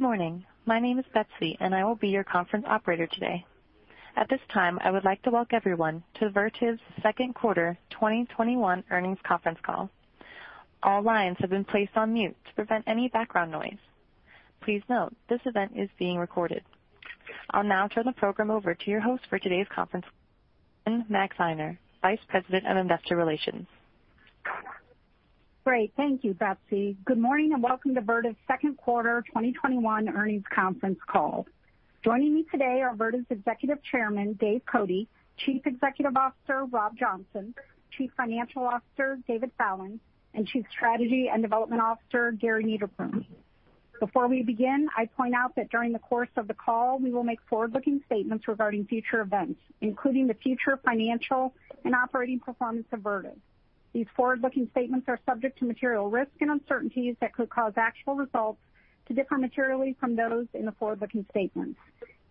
Good morning. My name is Betsy, and I will be your conference operator today. At this time, I would like to welcome everyone to Vertiv's second quarter 2021 earnings conference call. All lines have been placed on mute to prevent any background noise. Please note, this event is being recorded. I'll now turn the program over to your host for today's conference, Lynne Maxeiner, Vice President of Investor Relations. Great. Thank you, Betsy. Good morning and welcome to Vertiv's second quarter 2021 earnings conference call. Joining me today are Vertiv's Executive Chairman, Dave Cote, Chief Executive Officer, Rob Johnson, Chief Financial Officer, David Fallon, and Chief Strategy and Development Officer, Gary Niederpruem. Before we begin, I point out that during the course of the call, we will make forward-looking statements regarding future events, including the future financial and operating performance of Vertiv. These forward-looking statements are subject to material risks and uncertainties that could cause actual results to differ materially from those in the forward-looking statements.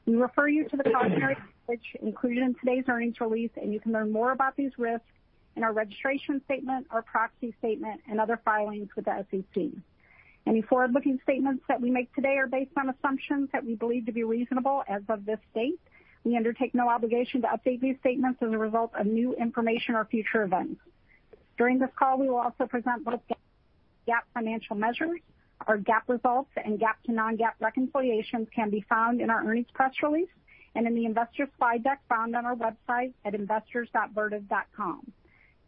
We refer you to the cautionary language included in today's earnings release, and you can learn more about these risks in our registration statement, our proxy statement, and other filings with the SEC. Any forward-looking statements that we make today are based on assumptions that we believe to be reasonable as of this date. We undertake no obligation to update these statements as a result of new information or future events. During this call, we will also present both GAAP financial measures. Our GAAP results and GAAP to non-GAAP reconciliations can be found in our earnings press release and in the investor slide deck found on our website at investors.vertiv.com.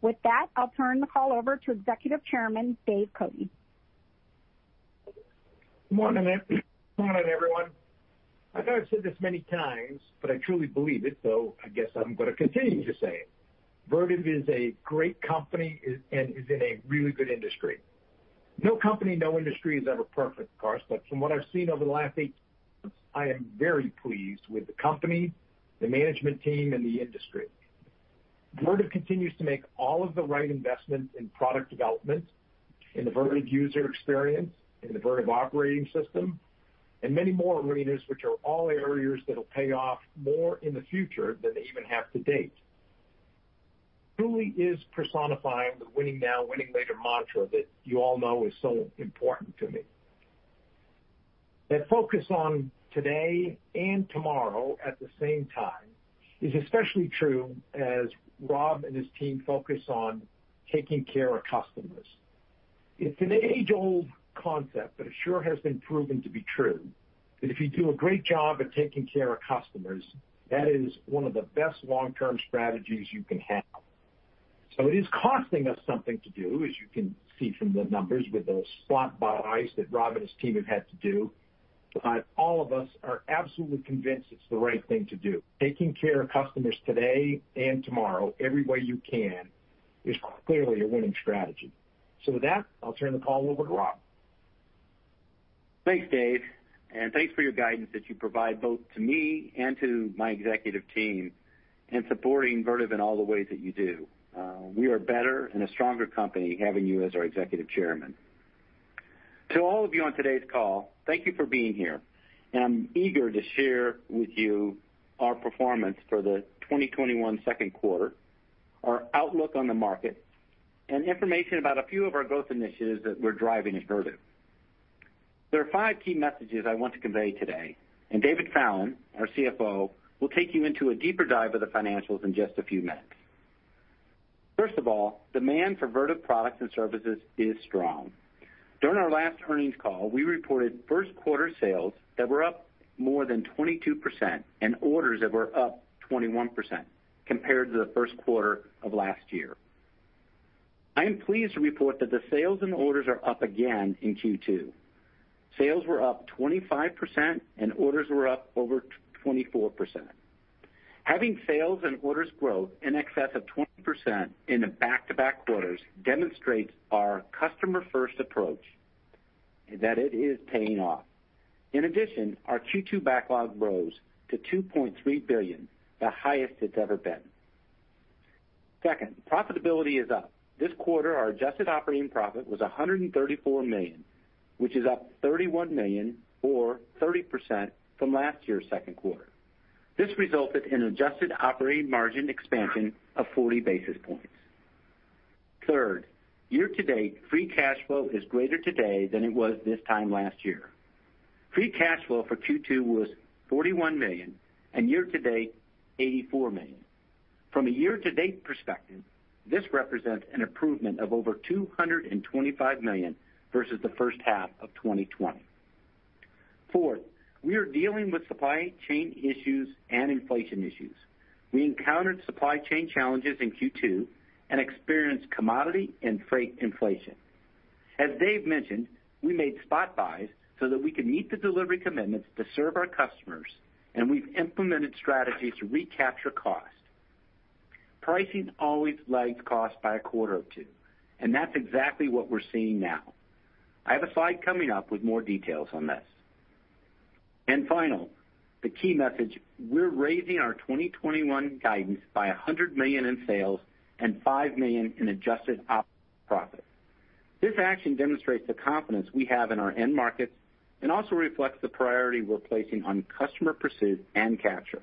With that, I'll turn the call over to Executive Chairman, Dave Cote. Morning, everyone. I know I've said this many times, but I truly believe it, so I guess I'm going to continue to say it. Vertiv is a great company and is in a really good industry. No company, no industry is ever perfect, of course, but from what I've seen over the last 18 months, I am very pleased with the company, the management team, and the industry. Vertiv continues to make all of the right investments in product development, in the Vertiv user experience, in the Vertiv Operating System, and many more arenas, which are all areas that'll pay off more in the future than they even have to date. Truly is personifying the winning now, winning later mantra that you all know is so important to me. That focus on today and tomorrow at the same time is especially true as Rob and his team focus on taking care of customers. It's an age-old concept, but it sure has been proven to be true, that if you do a great job at taking care of customers, that is one of the best long-term strategies you can have. It is costing us something to do, as you can see from the numbers with those spot buys that Rob and his team have had to do, but all of us are absolutely convinced it's the right thing to do. Taking care of customers today and tomorrow every way you can is clearly a winning strategy. With that, I'll turn the call over to Rob. Thanks, Dave, and thanks for your guidance that you provide both to me and to my executive team in supporting Vertiv in all the ways that you do. We are better and a stronger company having you as our Executive Chairman. To all of you on today's call, thank you for being here, and I'm eager to share with you our performance for the 2021 second quarter, our outlook on the market, and information about a few of our growth initiatives that we're driving at Vertiv. There are five key messages I want to convey today, and David Fallon, our CFO, will take you into a deeper dive of the financials in just a few minutes. First of all, demand for Vertiv products and services is strong. During our last earnings call, we reported first quarter sales that were up more than 22% and orders that were up 21% compared to the first quarter of last year. I am pleased to report that the sales and orders are up again in Q2. Sales were up 25% and orders were up over 24%. Having sales and orders growth in excess of 20% in the back-to-back quarters demonstrates our customer-first approach, and that it is paying off. Our Q2 backlog rose to $2.3 billion, the highest it's ever been. Second, profitability is up. This quarter, our adjusted operating profit was $134 million, which is up $31 million or 30% from last year's second quarter. This resulted in adjusted operating margin expansion of 40 basis points. Third, year-to-date free cash flow is greater today than it was this time last year. Free cash flow for Q2 was $41 million, and year-to-date, $84 million. From a year-to-date perspective, this represents an improvement of over $225 million versus the first half of 2020. Fourth, we are dealing with supply chain issues and inflation issues. We encountered supply chain challenges in Q2 and experienced commodity and freight inflation. As Dave mentioned, we made spot buys so that we could meet the delivery commitments to serve our customers, and we've implemented strategies to recapture cost. Pricing always lags cost by a quarter or two, and that's exactly what we're seeing now. I have a slide coming up with more details on this. Final, the key message, we're raising our 2021 guidance by $100 million in sales and $5 million in adjusted operating profit. This action demonstrates the confidence we have in our end markets and also reflects the priority we're placing on customer pursuit and capture.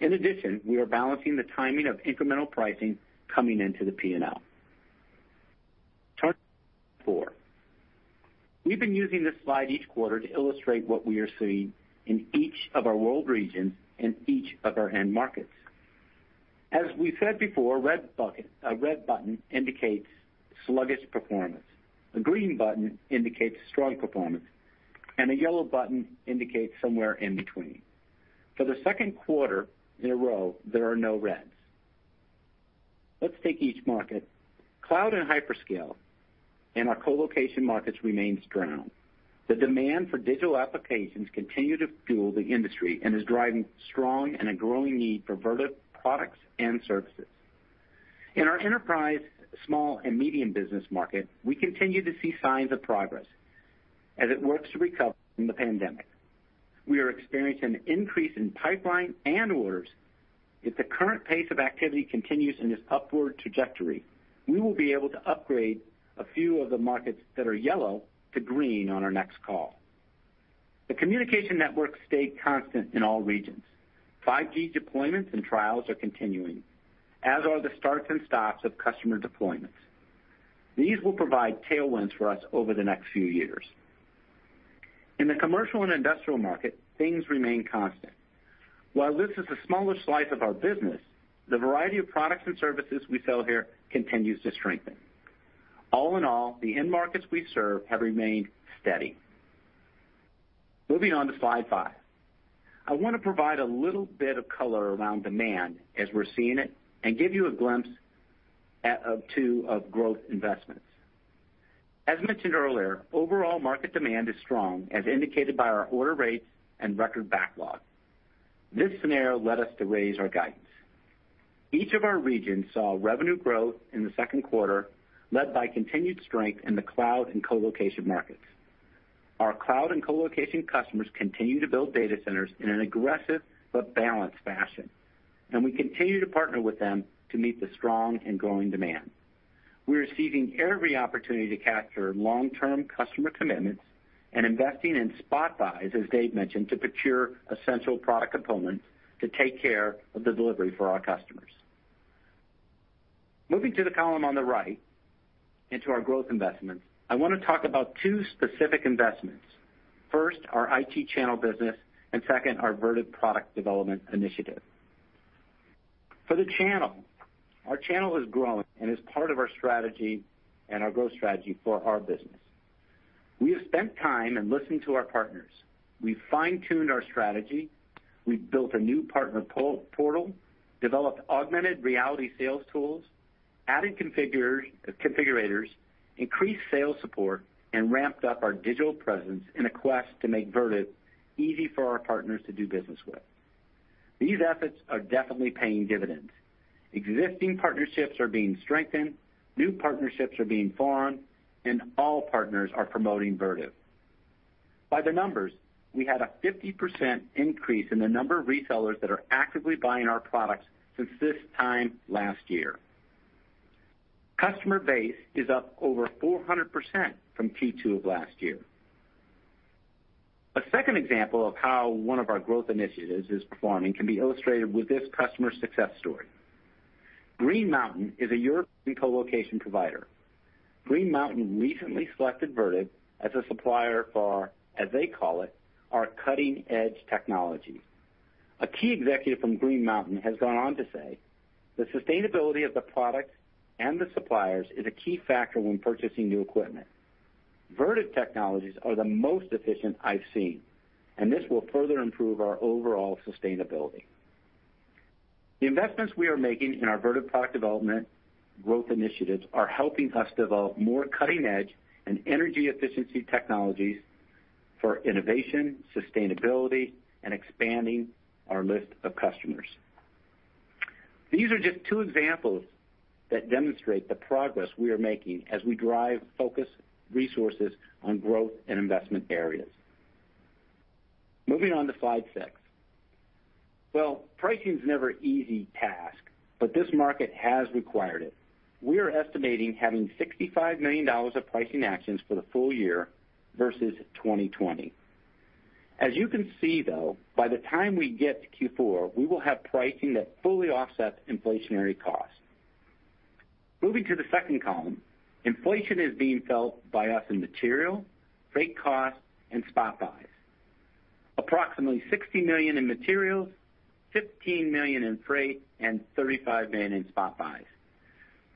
In addition, we are balancing the timing of incremental pricing coming into the P&L. Four, we've been using this slide each quarter to illustrate what we are seeing in each of our world regions and each of our end markets. As we've said before, a red button indicates sluggish performance. A green button indicates strong performance, and a yellow button indicates somewhere in between. For the second quarter in a row, there are no reds. Let's take each market. Cloud and hyperscale, and our colocation markets remain strong. The demand for digital applications continue to fuel the industry and is driving strong and a growing need for Vertiv products and services. In our enterprise small and medium business market, we continue to see signs of progress as it works to recover from the pandemic. We are experiencing an increase in pipeline and orders. If the current pace of activity continues in this upward trajectory, we will be able to upgrade a few of the markets that are yellow to green on our next call. The communication networks stayed constant in all regions. 5G deployments and trials are continuing, as are the starts and stops of customer deployments. These will provide tailwinds for us over the next few years. In the commercial and industrial market, things remain constant. While this is the smallest slice of our business, the variety of products and services we sell here continues to strengthen. All in all, the end markets we serve have remained steady. Moving on to slide five. I want to provide a little bit of color around demand as we're seeing it and give you a glimpse of growth investments. As mentioned earlier, overall market demand is strong as indicated by our order rates and record backlog. This scenario led us to raise our guidance. Each of our regions saw revenue growth in the second quarter, led by continued strength in the cloud and colocation markets. Our cloud and colocation customers continue to build data centers in an aggressive but balanced fashion, and we continue to partner with them to meet the strong and growing demand. We're seizing every opportunity to capture long-term customer commitments and investing in spot buys, as Dave mentioned, to procure essential product components to take care of the delivery for our customers. Moving to the column on the right into our growth investments, I want to talk about two specific investments. First, our IT channel business, and second, our Vertiv product development initiative. For the channel, our channel has grown and is part of our strategy and our growth strategy for our business. We have spent time and listened to our partners. We've fine-tuned our strategy, we've built a new partner portal, developed augmented reality sales tools, added configurators, increased sales support, and ramped up our digital presence in a quest to make Vertiv easy for our partners to do business with. These efforts are definitely paying dividends. Existing partnerships are being strengthened, new partnerships are being formed, and all partners are promoting Vertiv. By the numbers, we had a 50% increase in the number of resellers that are actively buying our products since this time last year. Customer base is up over 400% from Q2 of last year. A second example of how one of our growth initiatives is performing can be illustrated with this customer success story. Green Mountain is a European colocation provider. Green Mountain recently selected Vertiv as a supplier for, as they call it, our cutting-edge technology. A key executive from Green Mountain has gone on to say, "The sustainability of the product and the suppliers is a key factor when purchasing new equipment. Vertiv technologies are the most efficient I've seen, and this will further improve our overall sustainability." The investments we are making in our Vertiv product development growth initiatives are helping us develop more cutting-edge and energy efficiency technologies for innovation, sustainability, and expanding our list of customers. These are just two examples that demonstrate the progress we are making as we drive focus resources on growth and investment areas. Moving on to slide six. Well, pricing's never easy task, but this market has required it. We are estimating having $65 million of pricing actions for the full year versus 2020. As you can see, though, by the time we get to Q4, we will have pricing that fully offsets inflationary costs. Moving to the second column, inflation is being felt by us in material, freight costs, and spot buys. Approximately $60 million in materials, $15 million in freight, and $35 million in spot buys.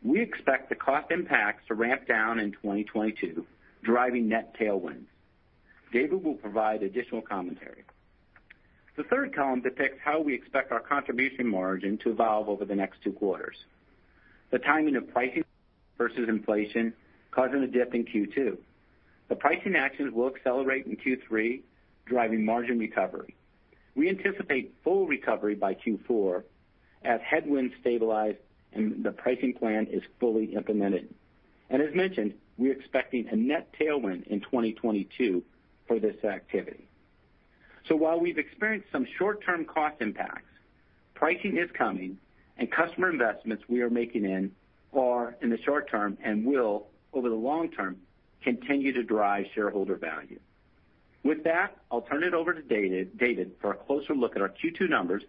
We expect the cost impacts to ramp down in 2022, driving net tailwinds. David will provide additional commentary. The third column depicts how we expect our contribution margin to evolve over the next two quarters. The timing of pricing versus inflation causing a dip in Q2. The pricing actions will accelerate in Q3, driving margin recovery. We anticipate full recovery by Q4 as headwinds stabilize and the pricing plan is fully implemented. As mentioned, we're expecting a net tailwind in 2022 for this activity. While we've experienced some short-term cost impacts, pricing is coming and customer investments we are making in are in the short term and will, over the long term, continue to drive shareholder value. With that, I'll turn it over to David for a closer look at our Q2 numbers,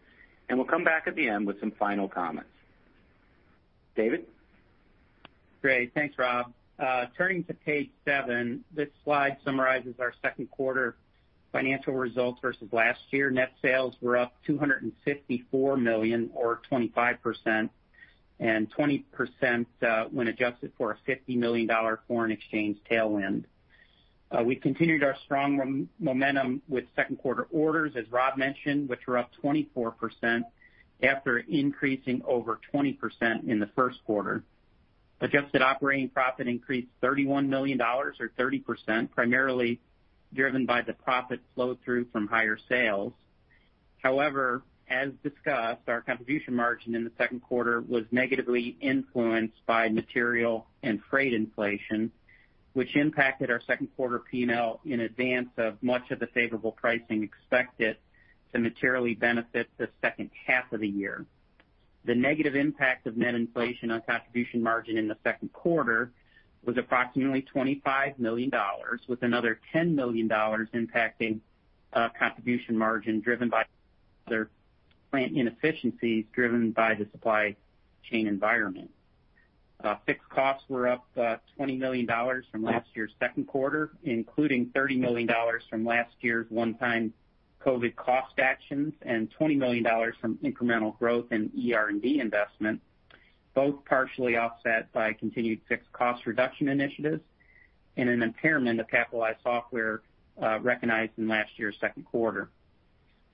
and we'll come back at the end with some final comments. David? Great. Thanks, Rob. Turning to page seven, this slide summarizes our second quarter financial results versus last year. Net sales were up $254 million, or 25%, and 20% when adjusted for a $50 million foreign exchange tailwind. We continued our strong momentum with second quarter orders, as Rob mentioned, which were up 24% after increasing over 20% in the first quarter. Adjusted operating profit increased $31 million or 30%, primarily driven by the profit flow-through from higher sales. As discussed, our contribution margin in the second quarter was negatively influenced by material and freight inflation, which impacted our second quarter P&L in advance of much of the favorable pricing expected to materially benefit the second half of the year. The negative impact of net inflation on contribution margin in the second quarter was approximately $25 million, with another $10 million impacting contribution margin driven by other plant inefficiencies driven by the supply chain environment. Fixed costs were up $20 million from last year's second quarter, including $30 million from last year's one-time COVID cost actions and $20 million from incremental growth in ER&D investment, both partially offset by continued fixed cost reduction initiatives and an impairment of capitalized software recognized in last year's second quarter.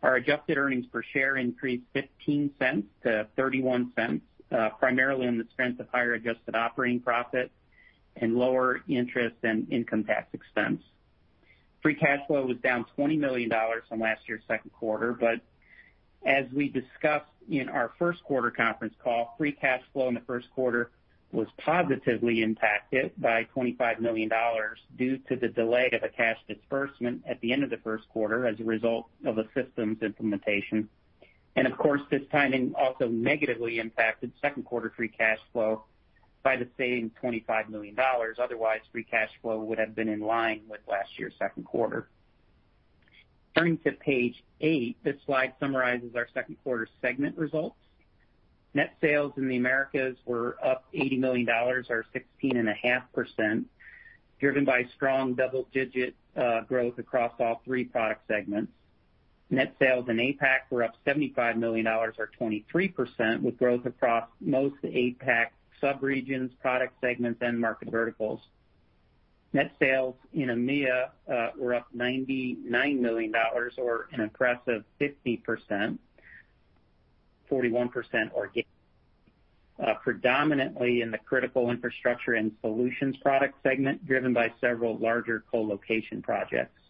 Our adjusted earnings per share increased $0.15-$0.31, primarily on the strength of higher adjusted operating profit and lower interest and income tax expense. Free cash flow was down $20 million from last year's second quarter. As we discussed in our first quarter conference call, free cash flow in the first quarter was positively impacted by $25 million due to the delay of a cash disbursement at the end of the first quarter as a result of a systems implementation. Of course, this timing also negatively impacted second quarter free cash flow by the same $25 million. Otherwise, free cash flow would have been in line with last year's second quarter. Turning to page eight, this slide summarizes our second quarter segment results. Net sales in the Americas were up $80 million, or 16.5%, driven by strong double-digit growth across all three product segments. Net sales in APAC were up $75 million, or 23%, with growth across most APAC sub-regions, product segments, and market verticals. Net sales in EMEA were up $99 million or an impressive 50%, 41% organic, predominantly in the Critical Infrastructure & Solutions product segment, driven by several larger co-location projects.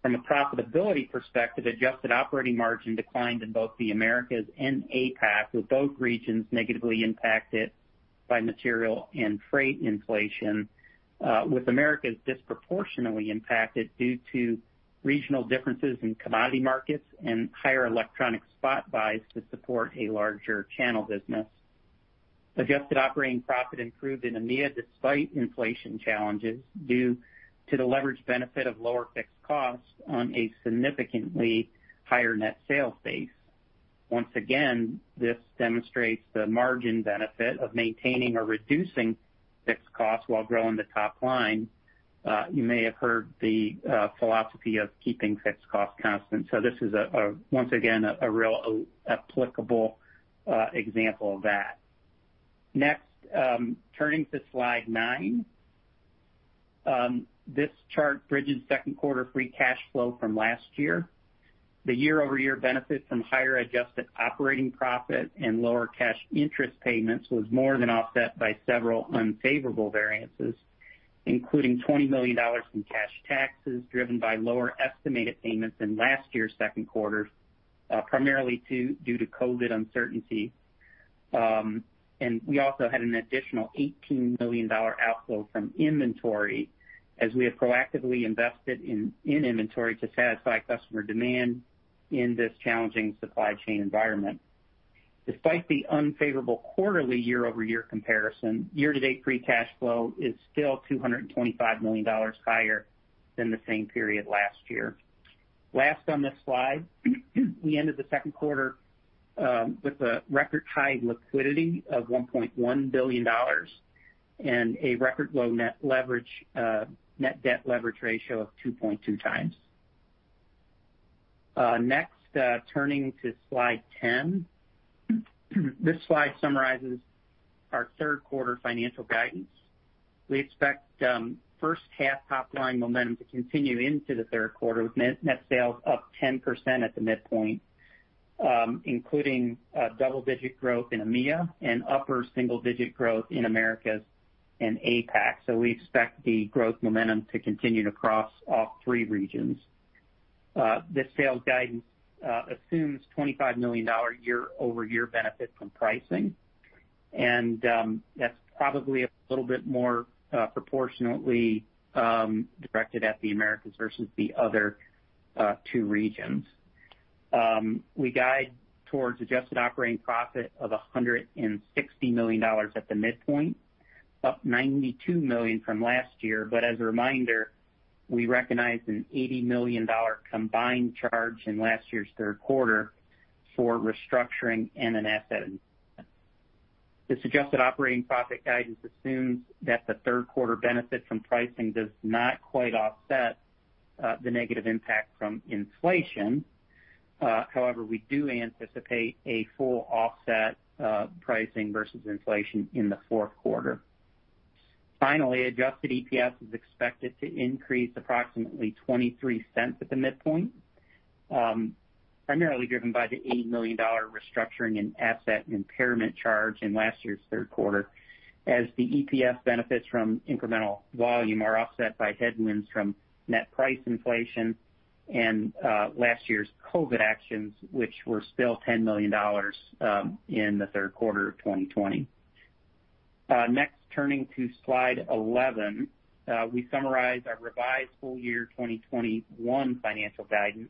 From a profitability perspective, adjusted operating margin declined in both the Americas and APAC, with both regions negatively impacted by material and freight inflation, with Americas disproportionately impacted due to regional differences in commodity markets and higher electronic spot buys to support a larger channel business. Adjusted operating profit improved in EMEA despite inflation challenges, due to the leverage benefit of lower fixed costs on a significantly higher net sales base. Once again, this demonstrates the margin benefit of maintaining or reducing fixed costs while growing the top line. You may have heard the philosophy of keeping fixed costs constant. This is, once again, a real applicable example of that. Next, turning to slide nine. This chart bridges second quarter free cash flow from last year. The year-over-year benefit from higher adjusted operating profit and lower cash interest payments was more than offset by several unfavorable variances, including $20 million in cash taxes driven by lower estimated payments than last year's second quarter, primarily due to COVID uncertainty. We also had an additional $18 million outflow from inventory as we have proactively invested in inventory to satisfy customer demand in this challenging supply chain environment. Despite the unfavorable quarterly year-over-year comparison, year-to-date free cash flow is still $225 million higher than the same period last year. Last on this slide, we ended the second quarter with a record high liquidity of $1.1 billion and a record low net debt leverage ratio of 2.2x. Next, turning to slide 10. This slide summarizes our third quarter financial guidance. We expect first half top line momentum to continue into the third quarter, with net sales up 10% at the midpoint, including double-digit growth in EMEA and upper single-digit growth in Americas and APAC. We expect the growth momentum to continue across all three regions. This sales guidance assumes $25 million year-over-year benefit from pricing, and that's probably a little bit more proportionately directed at the Americas versus the other two regions. We guide towards adjusted operating profit of $160 million at the midpoint, up $92 million from last year. As a reminder, we recognized an $80 million combined charge in last year's third quarter for restructuring and an asset impairment. This adjusted operating profit guidance assumes that the third quarter benefit from pricing does not quite offset the negative impact from inflation. We do anticipate a full offset pricing versus inflation in the fourth quarter. Adjusted EPS is expected to increase approximately $0.23 at the midpoint, primarily driven by the $80 million restructuring and asset impairment charge in last year's third quarter, as the EPS benefits from incremental volume are offset by headwinds from net price inflation and last year's COVID actions, which were still $10 million in the third quarter of 2020. Turning to slide 11, we summarize our revised full year 2021 financial guidance,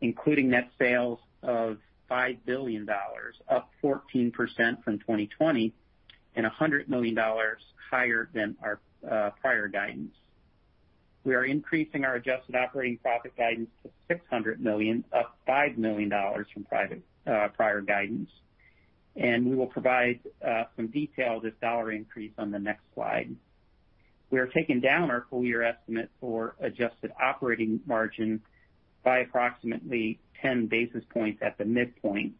including net sales of $5 billion, up 14% from 2020, $100 million higher than our prior guidance. We are increasing our adjusted operating profit guidance to $600 million, up $5 million from prior guidance. We will provide some detail this dollar increase on the next slide. We are taking down our full year estimate for adjusted operating margin by approximately 10 basis points at the midpoint.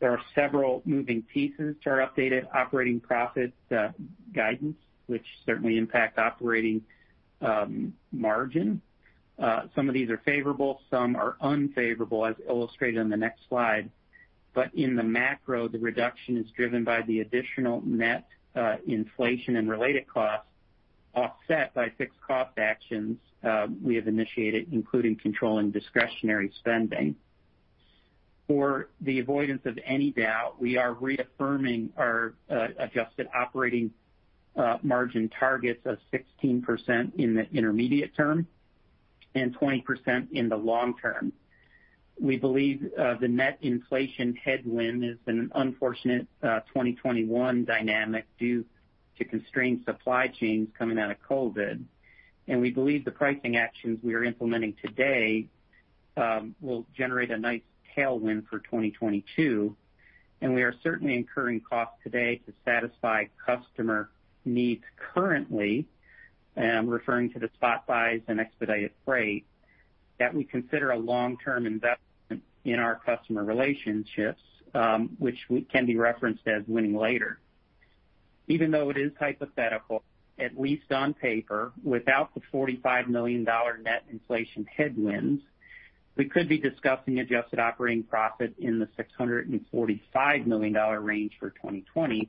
There are several moving pieces to our updated operating profit guidance, which certainly impact operating margin. Some of these are favorable, some are unfavorable, as illustrated on the next slide. In the macro, the reduction is driven by the additional net inflation and related costs, offset by fixed cost actions we have initiated, including controlling discretionary spending. For the avoidance of any doubt, we are reaffirming our adjusted operating margin targets of 16% in the intermediate term and 20% in the long term. We believe the net inflation headwind has been an unfortunate 2021 dynamic due to constrained supply chains coming out of COVID, and we believe the pricing actions we are implementing today will generate a nice tailwind for 2022, and we are certainly incurring costs today to satisfy customer needs currently. I'm referring to the spot buys and expedited freight that we consider a long-term investment in our customer relationships, which can be referenced as winning later. Even though it is hypothetical, at least on paper, without the $45 million net inflation headwinds, we could be discussing adjusted operating profit in the $645 million range for 2020,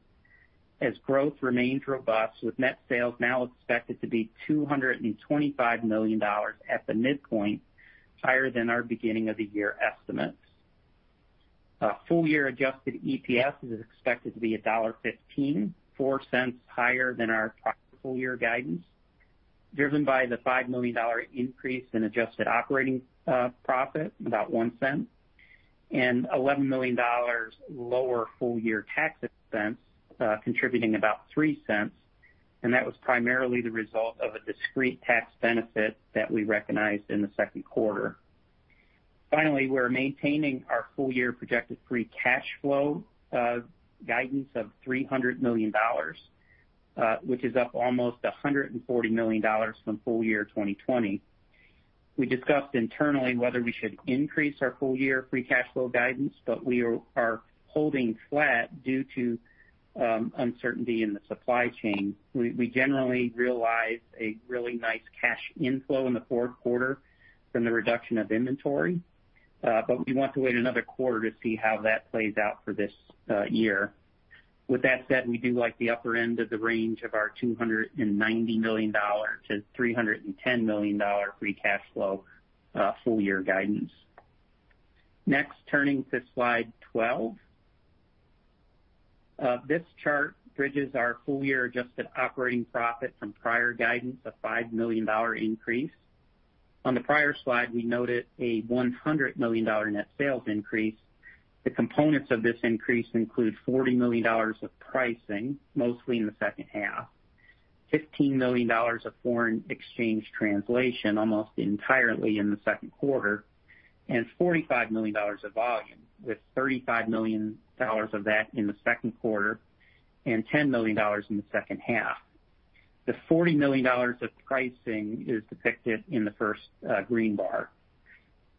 as growth remains robust, with net sales now expected to be $225 million at the midpoint, higher than our beginning of the year estimates. Full-year adjusted EPS is expected to be $1.15, $0.04 higher than our prior full-year guidance, driven by the $5 million increase in adjusted operating profit, about $0.01, and $11 million lower full-year tax expense, contributing about $0.03, and that was primarily the result of a discrete tax benefit that we recognized in the second quarter. Finally, we're maintaining our full-year projected free cash flow guidance of $300 million, which is up almost $140 million from full year 2020. We discussed internally whether we should increase our full-year free cash flow guidance, but we are holding flat due to uncertainty in the supply chain. We generally realize a really nice cash inflow in the fourth quarter from the reduction of inventory, but we want to wait another quarter to see how that plays out for this year. With that said, we do like the upper end of the range of our $290 million-$310 million free cash flow full-year guidance. Turning to slide 12. This chart bridges our full-year adjusted operating profit from prior guidance, a $5 million increase. On the prior slide, we noted a $100 million net sales increase. The components of this increase include $40 million of pricing, mostly in the second half, $15 million of foreign exchange translation, almost entirely in the second quarter, and $45 million of volume, with $35 million of that in the second quarter and $10 million in the second half. The $40 million of pricing is depicted in the first green bar.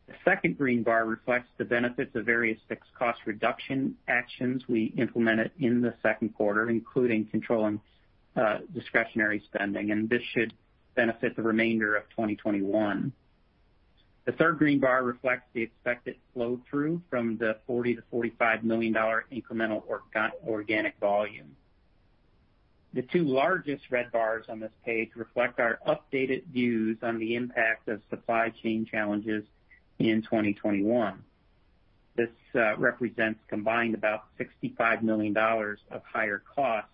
The second green bar reflects the benefits of various fixed cost reduction actions we implemented in the second quarter, including controlling discretionary spending, and this should benefit the remainder of 2021. The third green bar reflects the expected flow-through from the $40 million-$45 million incremental organic volume. The two largest red bars on this page reflect our updated views on the impact of supply chain challenges in 2021. This represents combined about $65 million of higher cost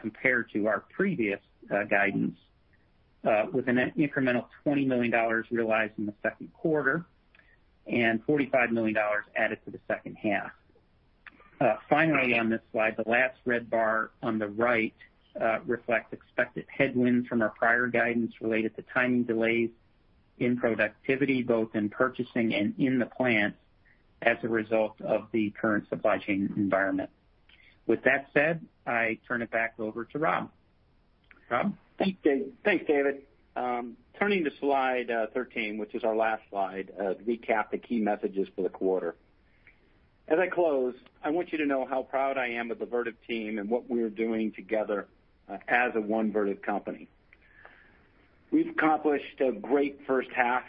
compared to our previous guidance. With an incremental $20 million realized in the second quarter, and $45 million added to the second half. Finally, on this slide, the last red bar on the right reflects expected headwinds from our prior guidance related to timing delays in productivity, both in purchasing and in the plants as a result of the current supply chain environment. With that said, I turn it back over to Rob. Rob? Thanks, David. Turning to slide 13, which is our last slide, to recap the key messages for the quarter. As I close, I want you to know how proud I am of the Vertiv team and what we're doing together as a one Vertiv company. We've accomplished a great first half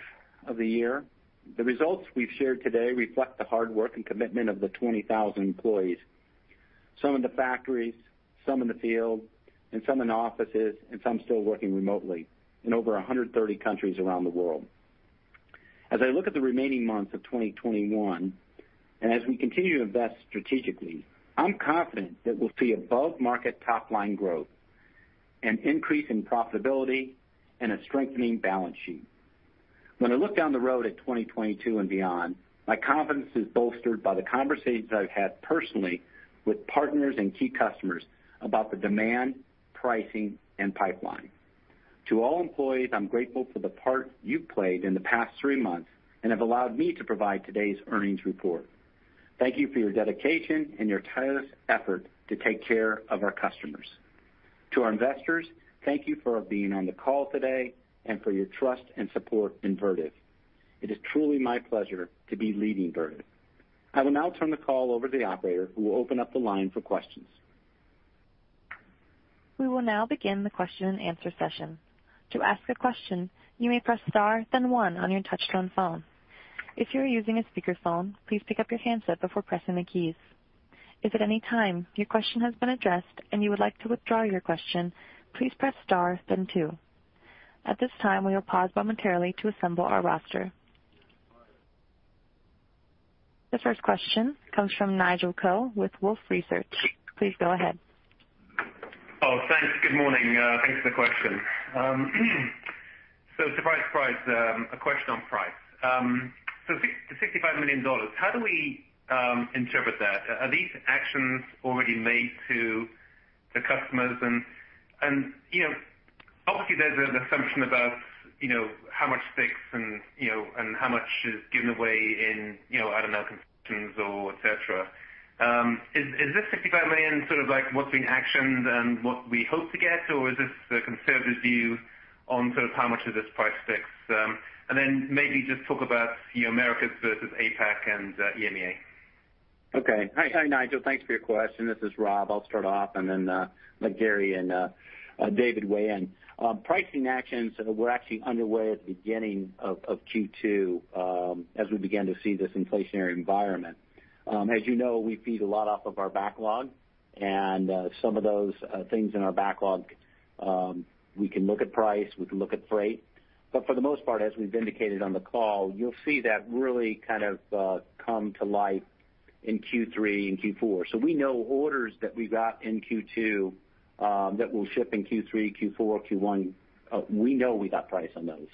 of the year. The results we've shared today reflect the hard work and commitment of the 20,000 employees. Some in the factories, some in the field, and some in offices, and some still working remotely in over 130 countries around the world. As I look at the remaining months of 2021, and as we continue to invest strategically, I'm confident that we'll see above-market top-line growth, an increase in profitability, and a strengthening balance sheet. When I look down the road at 2022 and beyond, my confidence is bolstered by the conversations I've had personally with partners and key customers about the demand, pricing, and pipeline. To all employees, I'm grateful for the part you've played in the past three months and have allowed me to provide today's earnings report. Thank you for your dedication and your tireless effort to take care of our customers. To our investors, thank you for being on the call today and for your trust and support in Vertiv. It is truly my pleasure to be leading Vertiv. I will now turn the call over to the operator, who will open up the line for questions. We will now begin the question-and-answer session. To ask a question, you may press star then one on your touch-tone phone, if you are using a speaker phone, please pick up your handset before pressing the keys. If there's any time your question has been addressed and you would like to withdraw your question, please press star then two. At this time we will pause momentarily to assemble our roster. The first question comes from Nigel Coe with Wolfe Research. Please go ahead. Oh, thanks. Good morning. Thanks for the question. Surprise, price. A question on price. $65 million. How do we interpret that? Are these actions already made to the customers? Obviously, there's an assumption about how much sticks and how much is given away in, I don't know, concessions or et cetera. Is this $65 million sort of what's being actioned and what we hope to get, or is this a conservative view on sort of how much of this price sticks? Maybe just talk about the Americas versus APAC and EMEA. Okay. Hi, Nigel. Thanks for your question. This is Rob. I'll start off and then let Gary and David weigh in. Pricing actions were actually underway at the beginning of Q2 as we began to see this inflationary environment. As you know, we feed a lot off of our backlog, and some of those things in our backlog we can look at price, we can look at freight. For the most part, as we've indicated on the call, you'll see that really kind of come to life in Q3 and Q4. We know orders that we got in Q2 that will ship in Q3, Q4, Q1, we know we got price on those.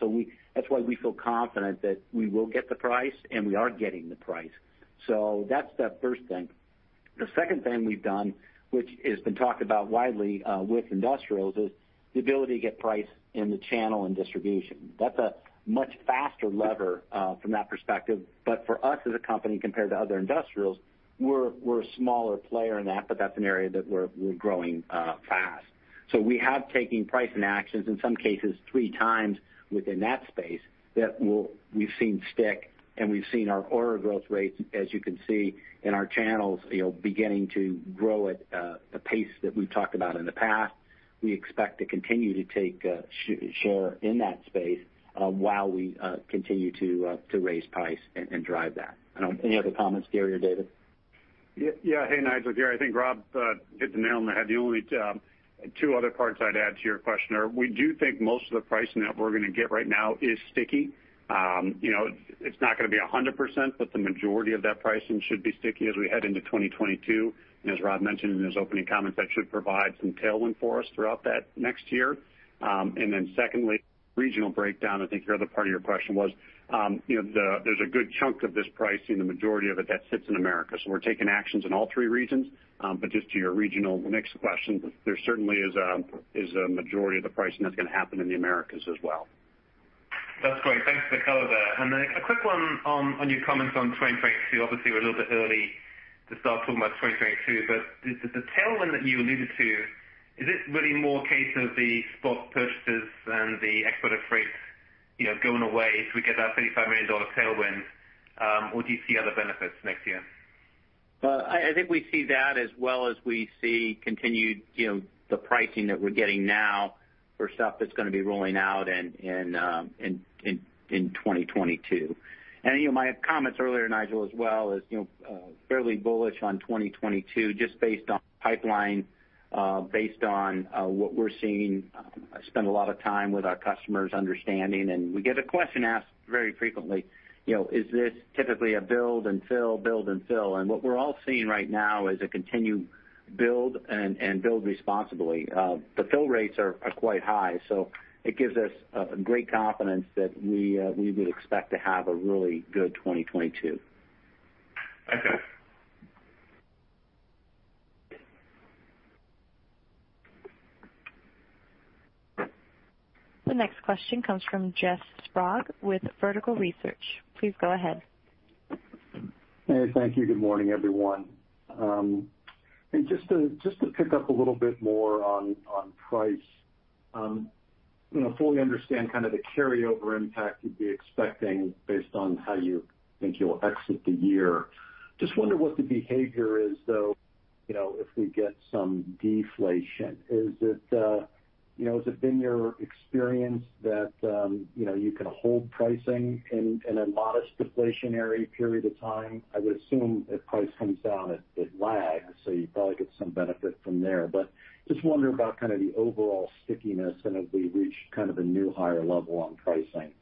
That's why we feel confident that we will get the price, and we are getting the price. That's that first thing. The second thing we've done, which has been talked about widely with industrials, is the ability to get price in the channel and distribution. That's a much faster lever from that perspective. For us as a company compared to other industrials, we're a smaller player in that, but that's an area that we're growing fast. We have taken pricing actions, in some cases three times within that space, that we've seen stick, and we've seen our order growth rates, as you can see in our channels, beginning to grow at a pace that we've talked about in the past. We expect to continue to take share in that space while we continue to raise price and drive that. Any other comments, Gary or David? Hey, Nigel. Gary, I think Rob hit the nail on the head. The only two other parts I'd add to your question are, we do think most of the pricing that we're going to get right now is sticky. It's not going to be 100%, but the majority of that pricing should be sticky as we head into 2022. As Rob mentioned in his opening comments, that should provide some tailwind for us throughout that next year. Secondly, regional breakdown, I think the other part of your question was. There's a good chunk of this pricing, the majority of it, that sits in America. We're taking actions in all three regions. Just to your regional mix question, there certainly is a majority of the pricing that's going to happen in the Americas as well. That's great. Thanks for the color there. A quick one on your comments on 2022. Obviously, we're a little bit early to start talking about 2022, but the tailwind that you alluded to, is it really more a case of the spot purchasers and the export of freight going away as we get our $35 million tailwind, or do you see other benefits next year? I think we see that as well as we see continued the pricing that we're getting now for stuff that's going to be rolling out in 2022. My comments earlier, Nigel, as well, is fairly bullish on 2022 just based on pipeline, based on what we're seeing. I spend a lot of time with our customers understanding, and we get a question asked very frequently, is this typically a build and fill, build and fill? What we're all seeing right now is a continued build and build responsibly. The fill rates are quite high, so it gives us great confidence that we would expect to have a really good 2022. Okay. The next question comes from Jeff Sprague with Vertical Research. Please go ahead. Hey, thank you. Good morning, everyone. Just to pick up a little bit more on price. Fully understand kind of the carryover impact you'd be expecting based on how you think you'll exit the year. Just wonder what the behavior is, though, if we get some deflation. Has it been your experience that you can hold pricing in a modest deflationary period of time? I would assume if price comes down, it lags, so you probably get some benefit from there. Just wonder about kind of the overall stickiness, and as we reach kind of a new higher level on pricing.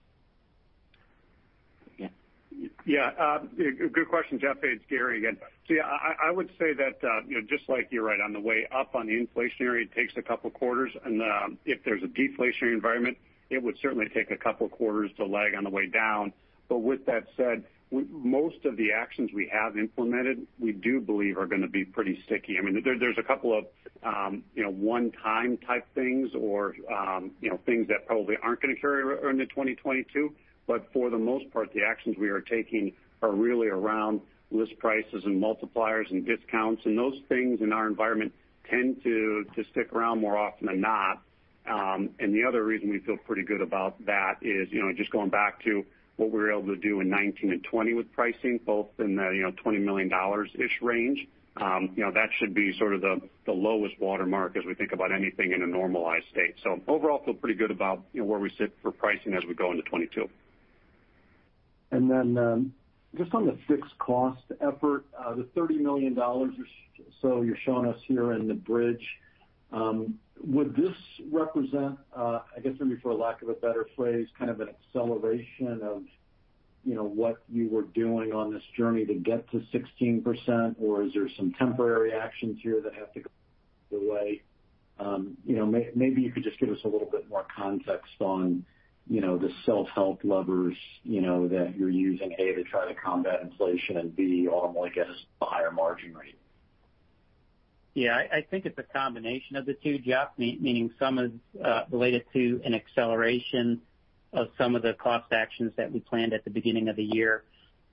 Yeah. Good question, Jeff. It's Gary again. Yeah, I would say that just like you're right on the way up on the inflationary, it takes a couple quarters, and if there's a deflationary environment, it would certainly take a couple quarters to lag on the way down. With that said, most of the actions we have implemented, we do believe are going to be pretty sticky. There's a couple of one-time type things or things that probably aren't going to carry into 2022. For the most part, the actions we are taking are really around list prices and multipliers and discounts, and those things in our environment tend to stick around more often than not. The other reason we feel pretty good about that is just going back to what we were able to do in 2019 and 2020 with pricing, both in the $20 million-ish range. That should be sort of the lowest watermark as we think about anything in a normalized state. Overall, feel pretty good about where we sit for pricing as we go into 2022. Just on the fixed cost effort, the $30 million or so you're showing us here in the bridge. Would this represent, I guess maybe for lack of a better phrase, kind of an acceleration of what you were doing on this journey to get to 16%? Is there some temporary actions here that have to go away? Maybe you could just give us a little bit more context on the self-help levers that you're using, A, to try to combat inflation, and B, on, I guess, a higher margin rate. I think it's a combination of the two, Jeff Some is related to an acceleration of some of the cost actions that we planned at the beginning of the year.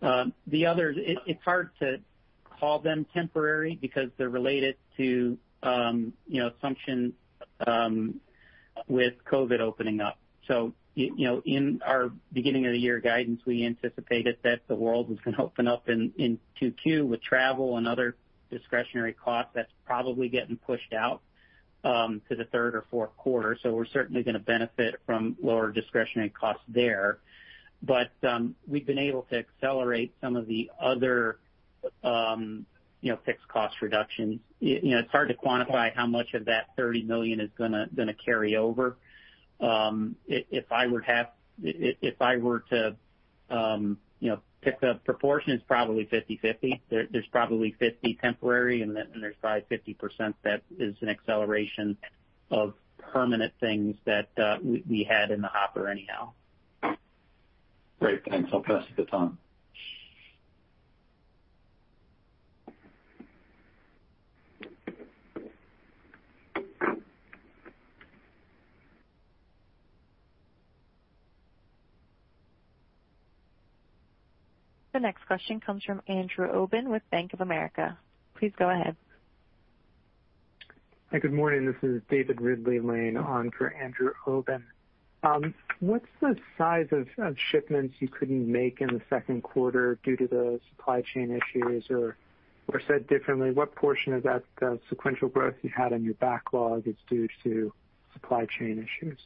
It's hard to call them temporary because they're related to assumptions with COVID opening up. In our beginning of the year guidance, we anticipated that the world was going to open up in 2Q with travel and other discretionary costs that's probably getting pushed out to the third or fourth quarter. We're certainly going to benefit from lower discretionary costs there. We've been able to accelerate some of the other fixed cost reductions. It's hard to quantify how much of that $30 million is going to carry over. If I were to pick the proportion, it's probably 50/50. There's probably 50% temporary, and there's probably 50% that is an acceleration of permanent things that we had in the hopper anyhow. Great. Thanks. I'll pass it to Tom. The next question comes from Andrew Obin with Bank of America. Please go ahead. Hi. Good morning. This is David Ridley-Lane laying on for Andrew Obin. What's the size of shipments you couldn't make in the second quarter due to the supply chain issues? Said differently, what portion of that sequential growth you had in your backlog is due to supply chain issues?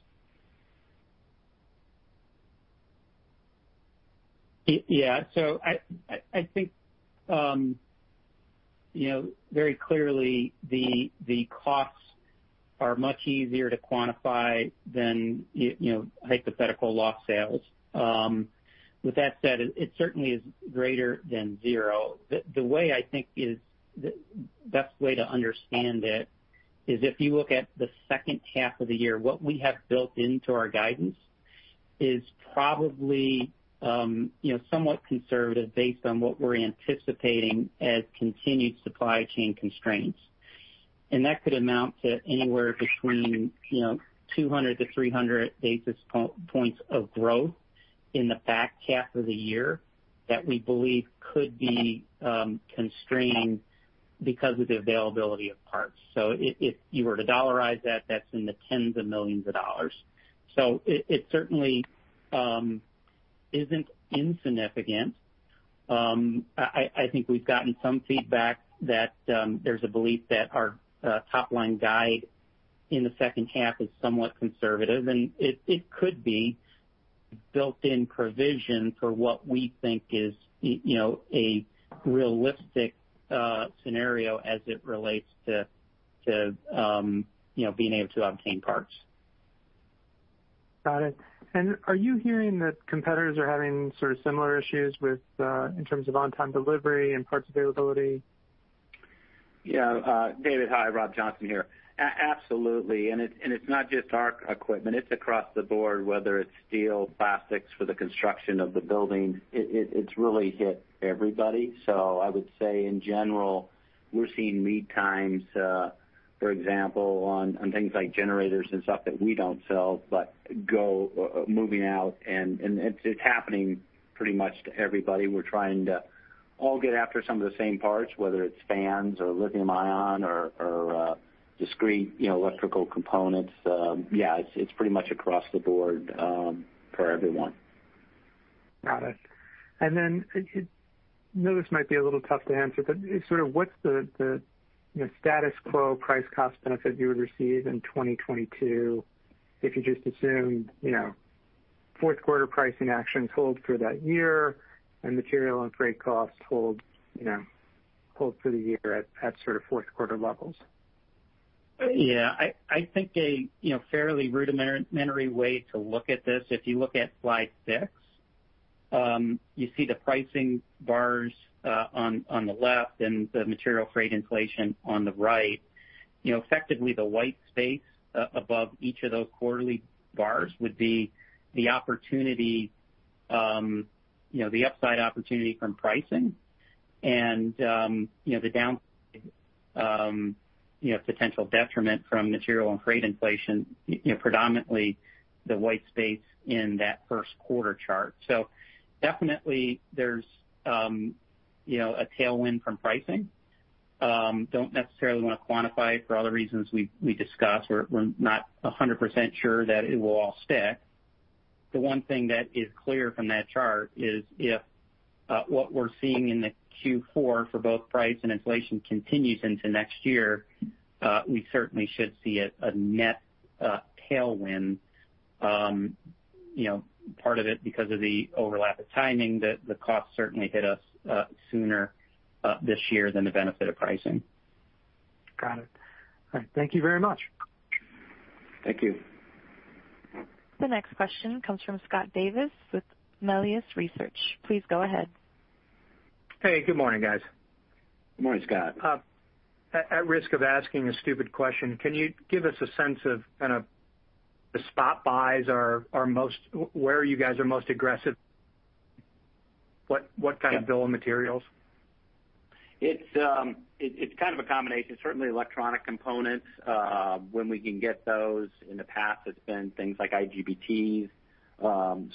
Yeah. I think very clearly the costs are much easier to quantify than hypothetical lost sales. With that said, it certainly is greater than zero. The best way to understand it is if you look at the second half of the year, what we have built into our guidance is probably somewhat conservative based on what we're anticipating as continued supply chain constraints. That could amount to anywhere between 200-300 basis points of growth in the back half of the year that we believe could be constrained because of the availability of parts. If you were to dollarize that's in the tens of millions of dollars. It certainly isn't insignificant. I think we've gotten some feedback that there's a belief that our top-line guide in the second half is somewhat conservative, and it could be built-in provision for what we think is a realistic scenario as it relates to being able to obtain parts. Got it. Are you hearing that competitors are having sort of similar issues in terms of on-time delivery and parts availability? Yeah. David, hi. Rob Johnson here. Absolutely. It's not just our equipment, it's across the board, whether it's steel, plastics for the construction of the buildings. It's really hit everybody. I would say in general, we're seeing lead times. For example, on things like generators and stuff that we don't sell, but go moving out, and it's happening pretty much to everybody. We're trying to all get after some of the same parts, whether it's fans or lithium ion or discrete electrical components. Yeah, it's pretty much across the board for everyone. Got it. I know this might be a little tough to answer, but sort of what's the status quo price cost benefit you would receive in 2022 if you just assumed fourth quarter pricing actions hold through that year and material and freight costs hold through the year at sort of fourth quarter levels? I think a fairly rudimentary way to look at this, if you look at slide six, you see the pricing bars on the left and the material freight inflation on the right. Effectively, the white space above each of those quarterly bars would be the upside opportunity from pricing, and the downside potential detriment from material and freight inflation, predominantly the white space in that first quarter chart. Definitely there's a tailwind from pricing. Don't necessarily want to quantify it for all the reasons we discussed. We're not 100% sure that it will all stick. The one thing that is clear from that chart is if what we're seeing in the Q4 for both price and inflation continues into next year, we certainly should see a net tailwind. Part of it because of the overlap of timing, the cost certainly hit us sooner this year than the benefit of pricing. Got it. All right. Thank you very much. Thank you. The next question comes from Scott Davis with Melius Research. Please go ahead. Hey, good morning, guys. Good morning, Scott. At risk of asking a stupid question, can you give us a sense of kind of the spot buys are where you guys are most aggressive? What kind of bill of materials? It's kind of a combination. Certainly electronic components, when we can get those. In the past, it's been things like IGBTs.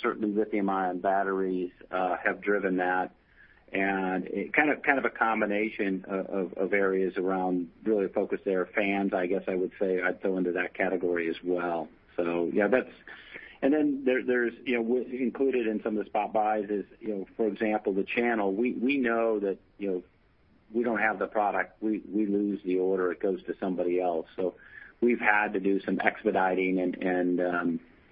Certainly lithium ion batteries have driven that. Kind of a combination of areas around really a focus there. Fans, I guess I would say, I'd throw into that category as well. Included in some of the spot buys is, for example, the channel. We know that we don't have the product, we lose the order, it goes to somebody else. We've had to do some expediting and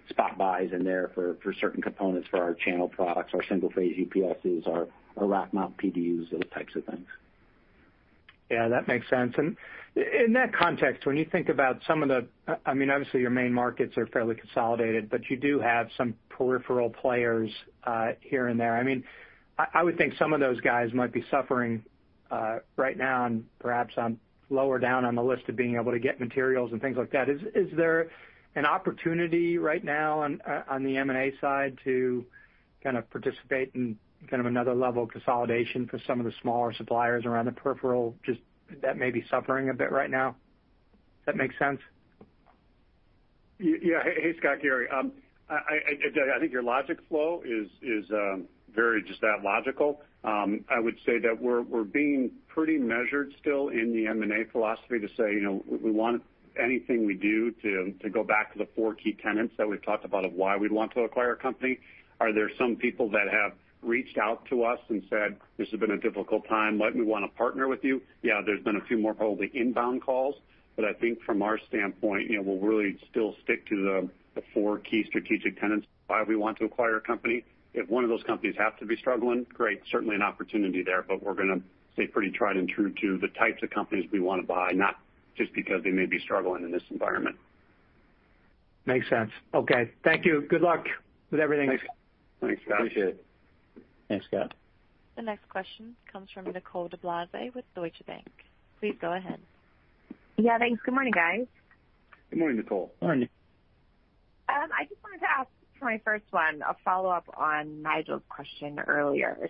spot buys in there for certain components for our channel products, our single-phase UPSs, our rack mount PDUs, those types of things. Yeah, that makes sense. In that context, when you think about some of the Obviously, your main markets are fairly consolidated, but you do have some peripheral players here and there. I would think some of those guys might be suffering right now and perhaps on lower down on the list of being able to get materials and things like that. Is there an opportunity right now on the M&A side to kind of participate in kind of another level of consolidation for some of the smaller suppliers around the peripheral that may be suffering a bit right now? Does that make sense? Hey, Scott, Gary. I think your logic flow is very just that, logical. I would say that we're being pretty measured still in the M&A philosophy to say we want anything we do to go back to the four key tenets that we've talked about of why we'd want to acquire a company. Are there some people that have reached out to us and said, "This has been a difficult time. Might we want to partner with you?" There's been a few more probably inbound calls. I think from our standpoint, we'll really still stick to the four key strategic tenets of why we want to acquire a company. If one of those companies happens to be struggling, great, certainly an opportunity there, but we're going to stay pretty tried and true to the types of companies we want to buy, not just because they may be struggling in this environment. Makes sense. Okay. Thank you. Good luck with everything. Thanks. Thanks, Scott. Appreciate it. Thanks, Scott. The next question comes from Nicole DeBlase with Deutsche Bank. Please go ahead. Yeah, thanks. Good morning, guys. Good morning, Nicole. Morning. I just wanted to ask for my first one, a follow-up on Nigel's question earlier.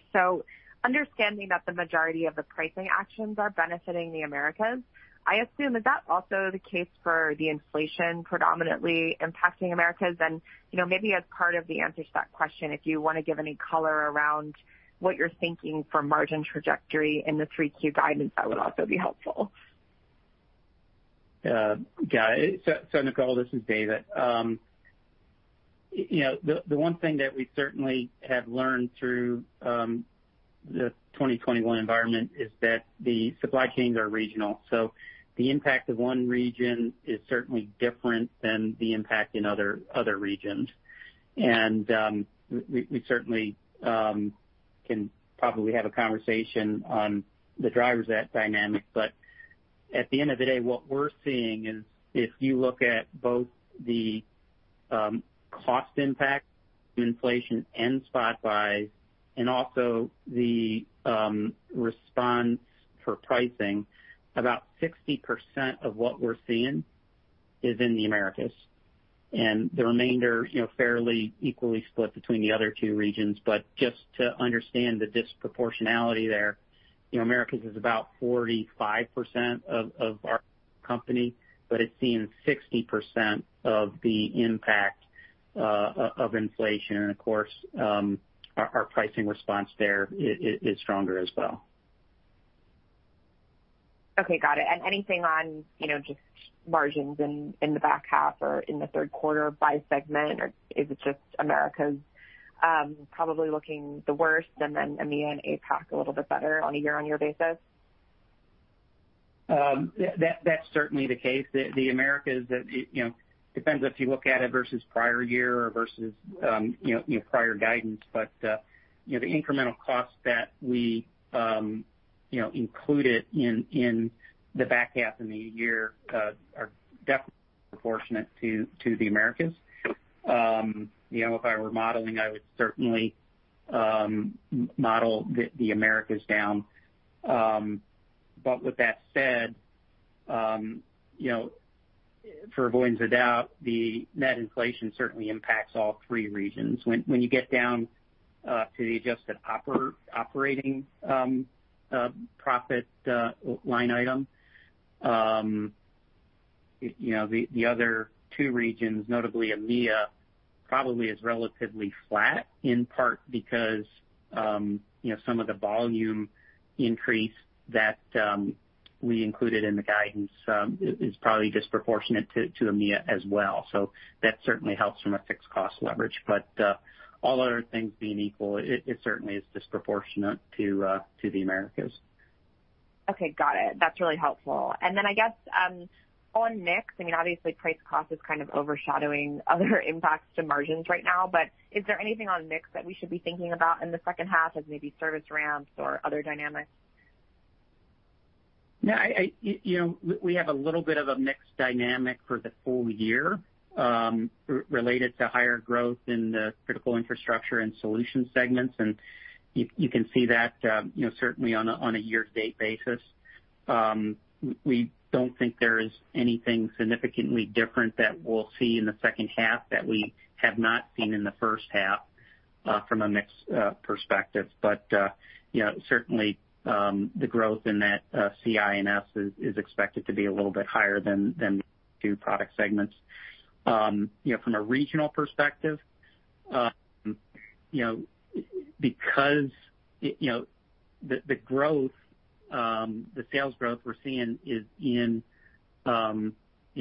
Understanding that the majority of the pricing actions are benefiting the Americas, I assume, is that also the case for the inflation predominantly impacting Americas? Maybe as part of the answer to that question, if you want to give any color around what you're thinking for margin trajectory in the 3Q guidance, that would also be helpful. Yeah. Nicole, this is David. The one thing that we certainly have learned through the 2021 environment is that the supply chains are regional. The impact of one region is certainly different than the impact in other regions. We certainly can probably have a conversation on the drivers of that dynamic. At the end of the day, what we're seeing is if you look at both the cost impact of inflation and spot buys and also the response for pricing, about 60% of what we're seeing is in the Americas, and the remainder fairly equally split between the other two regions. Just to understand the disproportionality there, Americas is about 45% of our company, but it's seen 60% of the impact of inflation. Of course, our pricing response there is stronger as well. Okay. Got it. Anything on just margins in the back half or in the third quarter by segment? Or is it just Americas probably looking the worst, and then EMEA and APAC a little bit better on a year-on-year basis? That's certainly the case. The Americas, it depends if you look at it versus prior year or versus prior guidance. The incremental cost that we included in the back half and the year are definitely proportionate to the Americas. If I were modeling, I would certainly model the Americas down. With that said, for avoidance of doubt, the net inflation certainly impacts all three regions. When you get down to the adjusted operating profit line item, the other two regions, notably EMEA, probably is relatively flat, in part because some of the volume increase that we included in the guidance is probably disproportionate to EMEA as well. That certainly helps from a fixed cost leverage. All other things being equal, it certainly is disproportionate to the Americas. Okay. Got it. That's really helpful. I guess, on mix, obviously price cost is kind of overshadowing other impacts to margins right now, but is there anything on mix that we should be thinking about in the second half as maybe service ramps or other dynamics? No. We have a little bit of a mix dynamic for the full year related to higher growth in the Critical Infrastructure & Solutions segments, and you can see that certainly on a year-to-date basis. We don't think there is anything significantly different that we'll see in the second half that we have not seen in the first half from a mix perspective. Certainly, the growth in that CI&S is expected to be a little bit higher than the two product segments. From a regional perspective, because the sales growth we're seeing is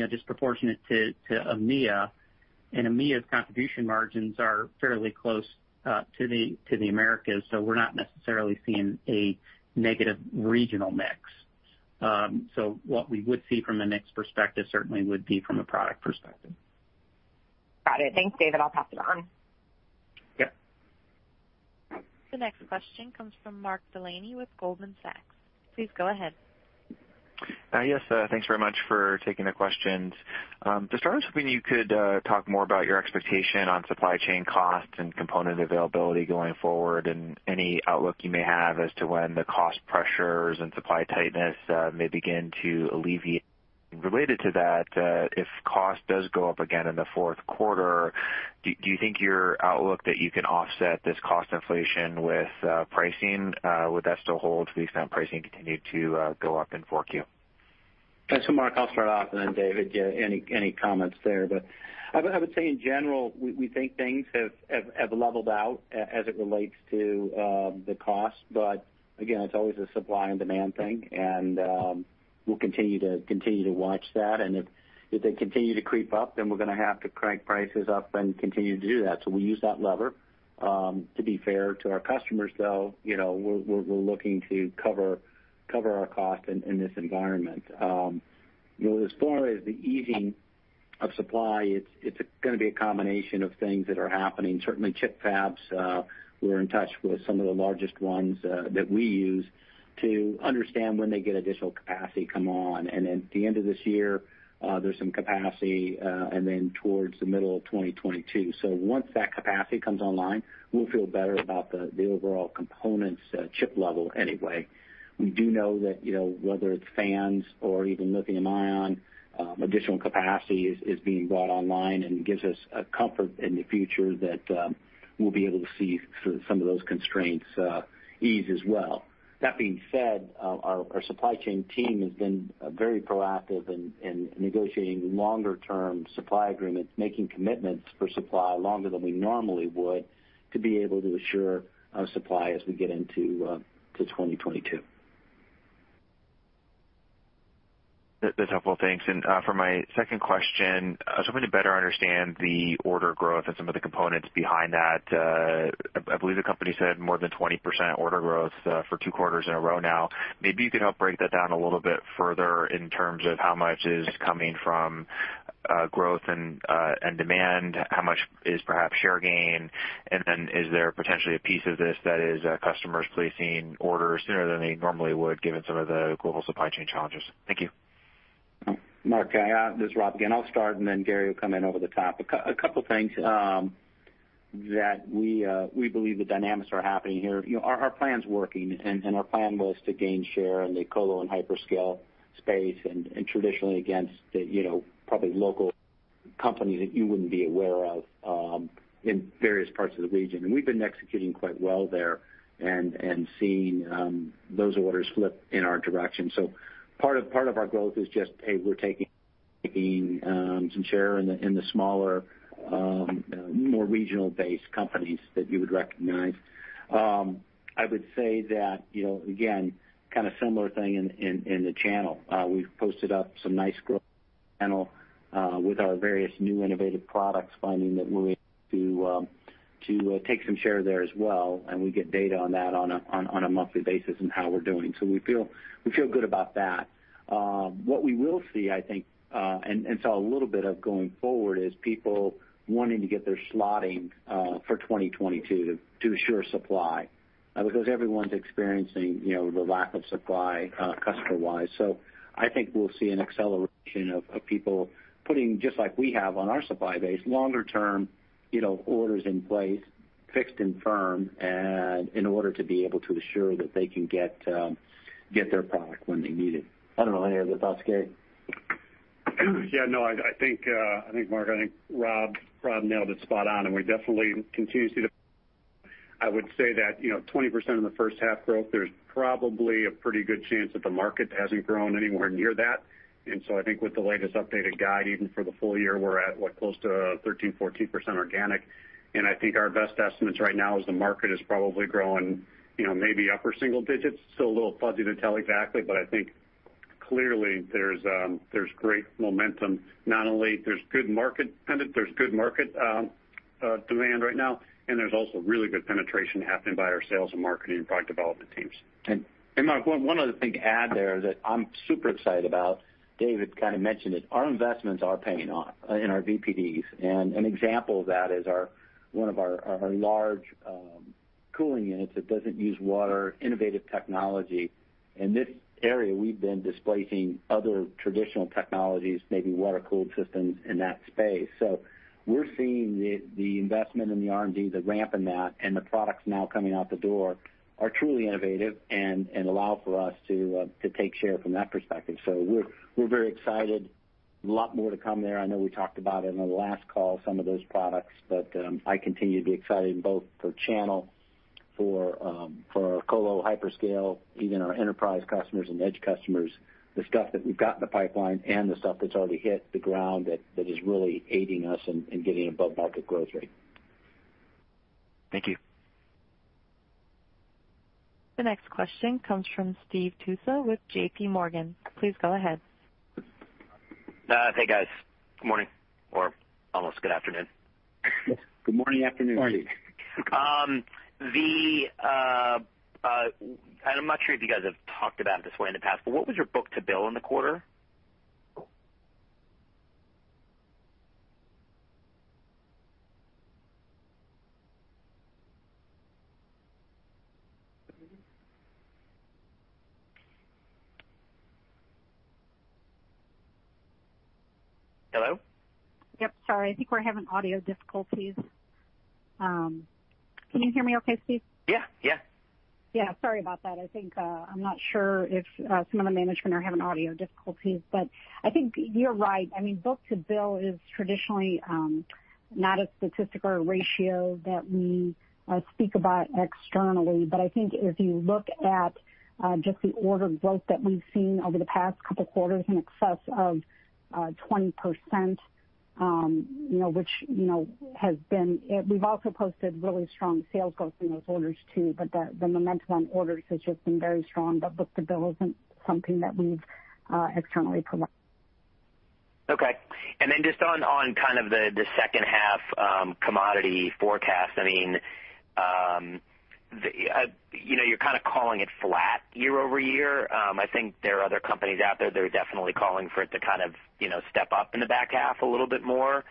disproportionate to EMEA, and EMEA's contribution margins are fairly close to the Americas, so we're not necessarily seeing a negative regional mix. What we would see from a mix perspective certainly would be from a product perspective. Got it. Thanks, David. I'll pass it on. Yeah. The next question comes from Mark Delaney with Goldman Sachs. Please go ahead. Yes. Thanks very much for taking the questions. To start, I was hoping you could talk more about your expectation on supply chain costs and component availability going forward, and any outlook you may have as to when the cost pressures and supply tightness may begin to alleviate? Related to that, if cost does go up again in the fourth quarter, do you think your outlook that you can offset this cost inflation with pricing, would that still hold to the extent pricing continued to go up in 4Q? Mark, I'll start off, and then David, yeah, any comments there. I would say in general, we think things have leveled out as it relates to the cost. Again, it's always a supply and demand thing, and we'll continue to watch that. If they continue to creep up, then we're going to have to crank prices up and continue to do that. We use that lever. To be fair to our customers, though, we're looking to cover our costs in this environment. As far as the easing of supply, it's going to be a combination of things that are happening. Certainly, chip fabs, we're in touch with some of the largest ones that we use to understand when they get additional capacity come on. At the end of this year, there's some capacity, and then towards the middle of 2022. Once that capacity comes online, we'll feel better about the overall components chip level anyway. We do know that whether it's fans or even lithium-ion, additional capacity is being brought online and gives us a comfort in the future that we'll be able to see some of those constraints ease as well. That being said, our supply chain team has been very proactive in negotiating longer-term supply agreements, making commitments for supply longer than we normally would to be able to assure supply as we get into 2022. That's helpful. Thanks. For my second question, I was hoping to better understand the order growth and some of the components behind that. I believe the company said more than 20% order growth for two quarters in a row now. Maybe you could help break that down a little bit further in terms of how much is coming from growth and demand, how much is perhaps share gain, and then is there potentially a piece of this that is customers placing orders sooner than they normally would given some of the global supply chain challenges? Thank you. Mark, this is Rob again. I'll start, and then Gary will come in over the top. A couple things. That we believe the dynamics are happening here. Our plan's working, and our plan was to gain share in the colo and hyperscale space, and traditionally against probably local companies that you wouldn't be aware of in various parts of the region. We've been executing quite well there and seeing those orders flip in our direction. Part of our growth is just, hey, we're taking some share in the smaller, more regional-based companies that you would recognize. I would say that, again, kind of similar thing in the channel. We've posted up some nice growth channel with our various new innovative products, finding that we're able to take some share there as well, and we get data on that on a monthly basis and how we're doing. We feel good about that. What we will see, I think, and saw a little bit of going forward, is people wanting to get their slotting for 2022 to assure supply. Because everyone's experiencing the lack of supply customer-wise. I think we'll see an acceleration of people putting, just like we have on our supply base, longer term orders in place, fixed and firm, and in order to be able to assure that they can get their product when they need it. I don't know, any other thoughts, Gary Niederpruem? Yeah, no, I think, Mark, Rob nailed it spot on, and we definitely continue to see that. I would say that 20% in the first half growth, there's probably a pretty good chance that the market hasn't grown anywhere near that. I think with the latest updated guide, even for the full year, we're at what, close to 13%-14% organic. I think our best estimates right now is the market is probably growing maybe upper single digits. Still a little fuzzy to tell exactly, but I think clearly there's great momentum. Not only there's good market demand right now, and there's also really good penetration happening by our sales and marketing and product development teams. Mark, one other thing to add there that I'm super excited about, David kind of mentioned it, our investments are paying off in our PDUs. An example of that is one of our large cooling units that doesn't use water. Innovative technology. In this area, we've been displacing other traditional technologies, maybe water-cooled systems in that space. We're seeing the investment in the R&D, the ramp in that, and the products now coming out the door are truly innovative and allow for us to take share from that perspective. We're very excited. A lot more to come there. I know we talked about it on the last call, some of those products, but I continue to be excited both for channel, for our colo, hyperscale, even our enterprise customers and edge customers, the stuff that we've got in the pipeline and the stuff that's already hit the ground that is really aiding us in getting above-market growth rate. Thank you. The next question comes from Steve Tusa with JPMorgan. Please go ahead. Hey, guys. Good morning, or almost good afternoon. Good morning, afternoon, Steve. I'm not sure if you guys have talked about it this way in the past, but what was your book-to-bill in the quarter? Hello? Yep, sorry. I think we're having audio difficulties. Can you hear me okay, Steve? Yeah. Yeah, sorry about that. I think I'm not sure if some of the management are having audio difficulties. I think you're right. Book-to-bill is traditionally not a statistic or a ratio that we speak about externally. I think if you look at just the order growth that we've seen over the past couple of quarters in excess of 20%. We've also posted really strong sales growth in those orders too, but the momentum on orders has just been very strong. Book-to-bill isn't something that we've externally provided. Okay. Just on kind of the second half commodity forecast. You're kind of calling it flat year-over-year. I think there are other companies out there that are definitely calling for it to kind of step up in the back half a little bit more.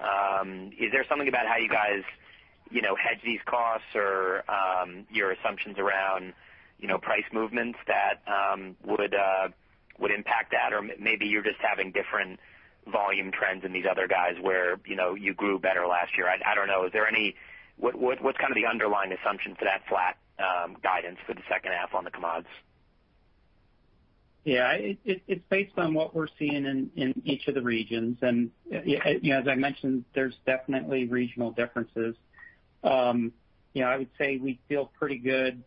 Is there something about how you guys hedge these costs or your assumptions around price movements that would impact that? Maybe you're just having different volume trends than these other guys where you grew better last year. I don't know. What's kind of the underlying assumption for that flat guidance for the second half on the commodities? Yeah. It's based on what we're seeing in each of the regions. As I mentioned, there's definitely regional differences. I would say we feel pretty good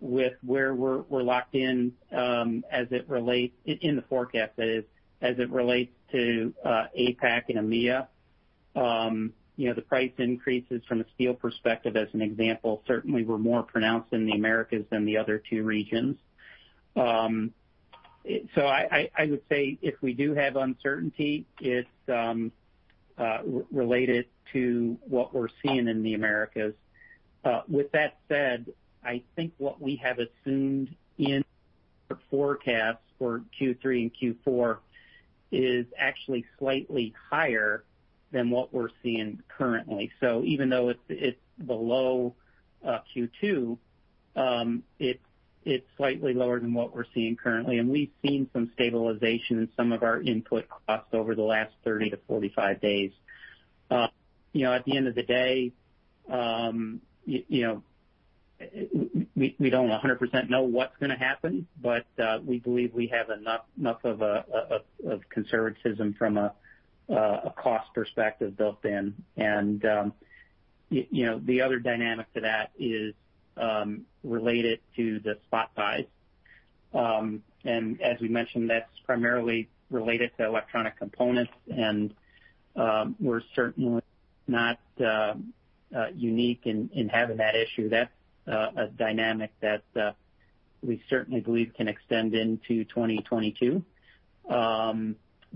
with where we're locked in, as it relates, in the forecast that is, as it relates to APAC and EMEA. The price increases from a steel perspective, as an example, certainly were more pronounced in the Americas than the other two regions. I would say if we do have uncertainty, it's related to what we're seeing in the Americas. With that said, I think what we have assumed in our forecast for Q3 and Q4 is actually slightly higher than what we're seeing currently. Even though it's below Q2, it's slightly lower than what we're seeing currently, and we've seen some stabilization in some of our input costs over the last 30-45 days. At the end of the day, we don't 100% know what's going to happen, but we believe we have enough of a conservatism from a cost perspective built in. The other dynamic to that is related to the spot buys. As we mentioned, that's primarily related to electronic components and we're certainly not unique in having that issue. That's a dynamic that we certainly believe can extend into 2022.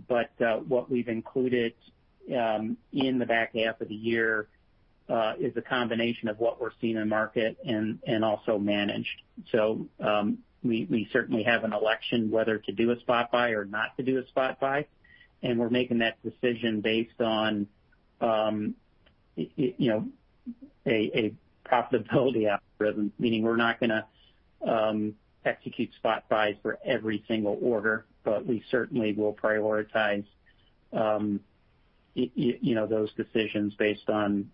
What we've included in the back half of the year, is a combination of what we're seeing in market and also managed. We certainly have an election whether to do a spot buy or not to do a spot buy, and we're making that decision based on a profitability algorithm. Meaning we're not going to execute spot buys for every single order, but we certainly will prioritize those decisions based on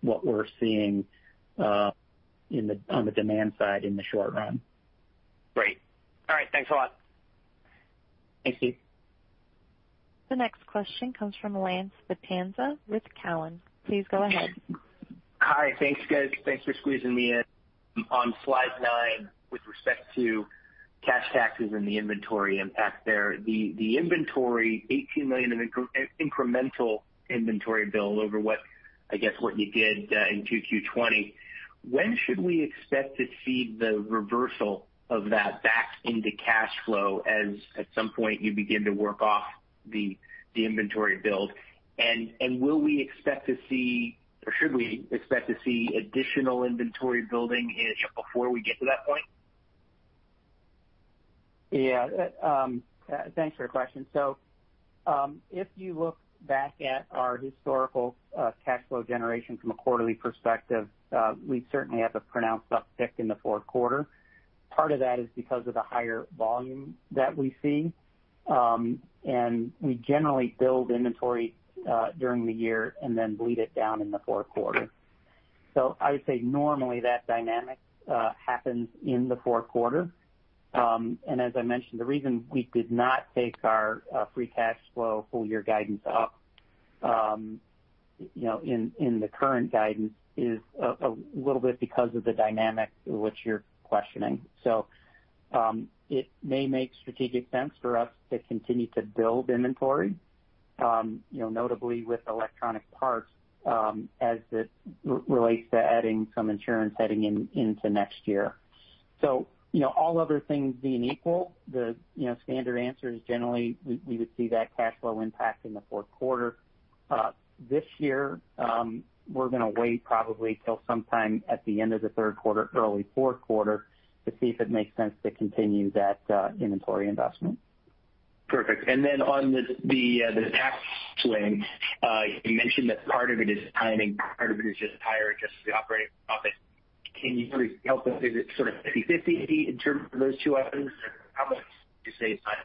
what we're seeing on the demand side in the short run. Great. All right. Thanks a lot. Thank you. The next question comes from Lance Vitanza with Cowen. Please go ahead. Hi. Thanks, guys. Thanks for squeezing me in. On slide nine with respect to cash taxes and the inventory impact there, the inventory, $18 million in incremental inventory bill over, I guess, what you did in 2Q 2020. When should we expect to see the reversal of that back into cash flow as at some point you begin to work off the inventory build, and will we expect to see, or should we expect to see additional inventory building before we get to that point? Yeah. Thanks for your question. If you look back at our historical cash flow generation from a quarterly perspective, we certainly have a pronounced uptick in the fourth quarter. Part of that is because of the higher volume that we see. We generally build inventory during the year and then bleed it down in the fourth quarter. I would say normally that dynamic happens in the fourth quarter. As I mentioned, the reason we did not take our free cash flow full-year guidance up in the current guidance is a little bit because of the dynamic which you're questioning. It may make strategic sense for us to continue to build inventory, notably with electronic parts, as it relates to adding some insurance heading into next year. All other things being equal, the standard answer is generally we would see that cash flow impact in the fourth quarter. This year, we're going to wait probably till sometime at the end of the third quarter, early fourth quarter, to see if it makes sense to continue that inventory investment. Perfect. On the tax swing, you mentioned that part of it is timing, part of it is just higher adjusted operating profit. Can you sort of help us? Is it sort of 50/50 in terms of those two items? How much would you say is timing?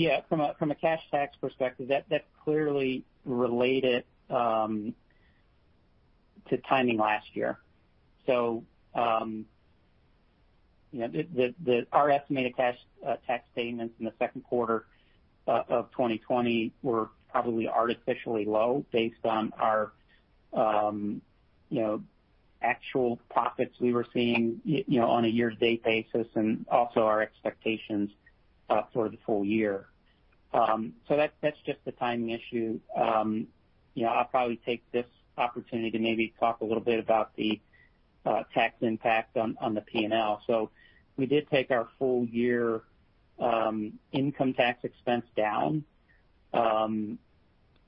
Yeah. From a cash tax perspective, that clearly related to timing last year. Our estimated tax statements in the second quarter of 2020 were probably artificially low based on our actual profits we were seeing on a year-to-date basis and also our expectations for the full year. That's just a timing issue. I'll probably take this opportunity to maybe talk a little bit about the tax impact on the P&L. We did take our full year income tax expense down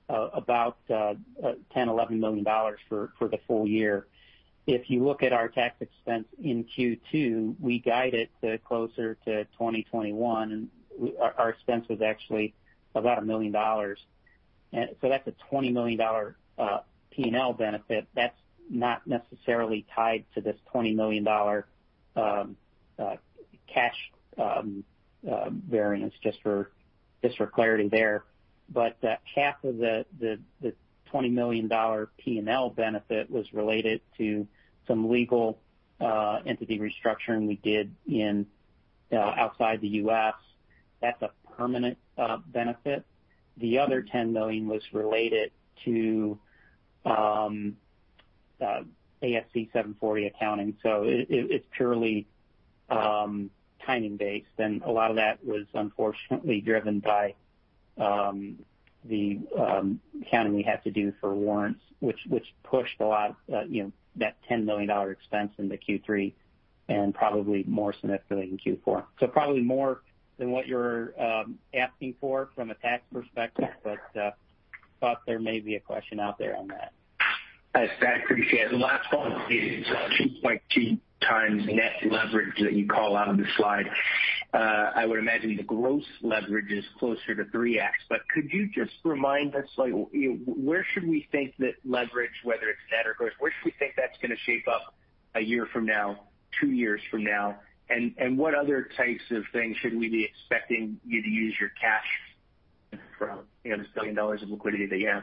about $10 million-$11 million for the full year. If you look at our tax expense in Q2, we guide it to closer to 2021, and our expense was actually about $1 million. That's a $20 million P&L benefit that's not necessarily tied to this $20 million cash variance, just for clarity there. Half of the $20 million P&L benefit was related to some legal entity restructuring we did outside the U.S. That's a permanent benefit. The other $10 million was related to ASC 740 accounting. It's purely timing based. A lot of that was unfortunately driven by the accounting we have to do for warrants, which pushed a lot of that $10 million expense into Q3 and probably more significantly in Q4. Probably more than what you're asking for from a tax perspective, but thought there may be a question out there on that. I appreciate it. The last one is 2.2x net leverage that you call out on the slide. I would imagine the gross leverage is closer to 3x, but could you just remind us, where should we think that leverage, whether it's net or gross, where should we think that's going to shape up a year from now, two years from now? What other types of things should we be expecting you to use your cash from this $1 billion of liquidity that you have?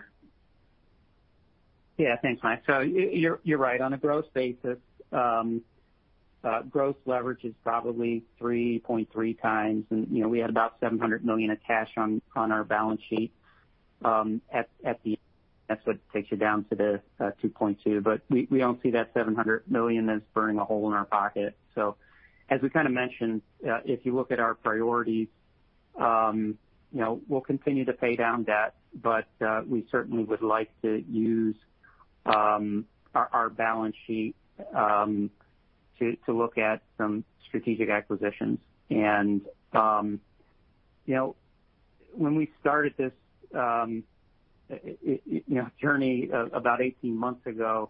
Thanks, Lance You're right. On a gross basis, gross leverage is probably 3.3x. We had about $700 million of cash on our balance sheet. That's what takes you down to the 2.2x. We don't see that $700 million as burning a hole in our pocket. As we kind of mentioned, if you look at our priorities, we'll continue to pay down debt, but we certainly would like to use our balance sheet to look at some strategic acquisitions. When we started this journey about 18 months ago,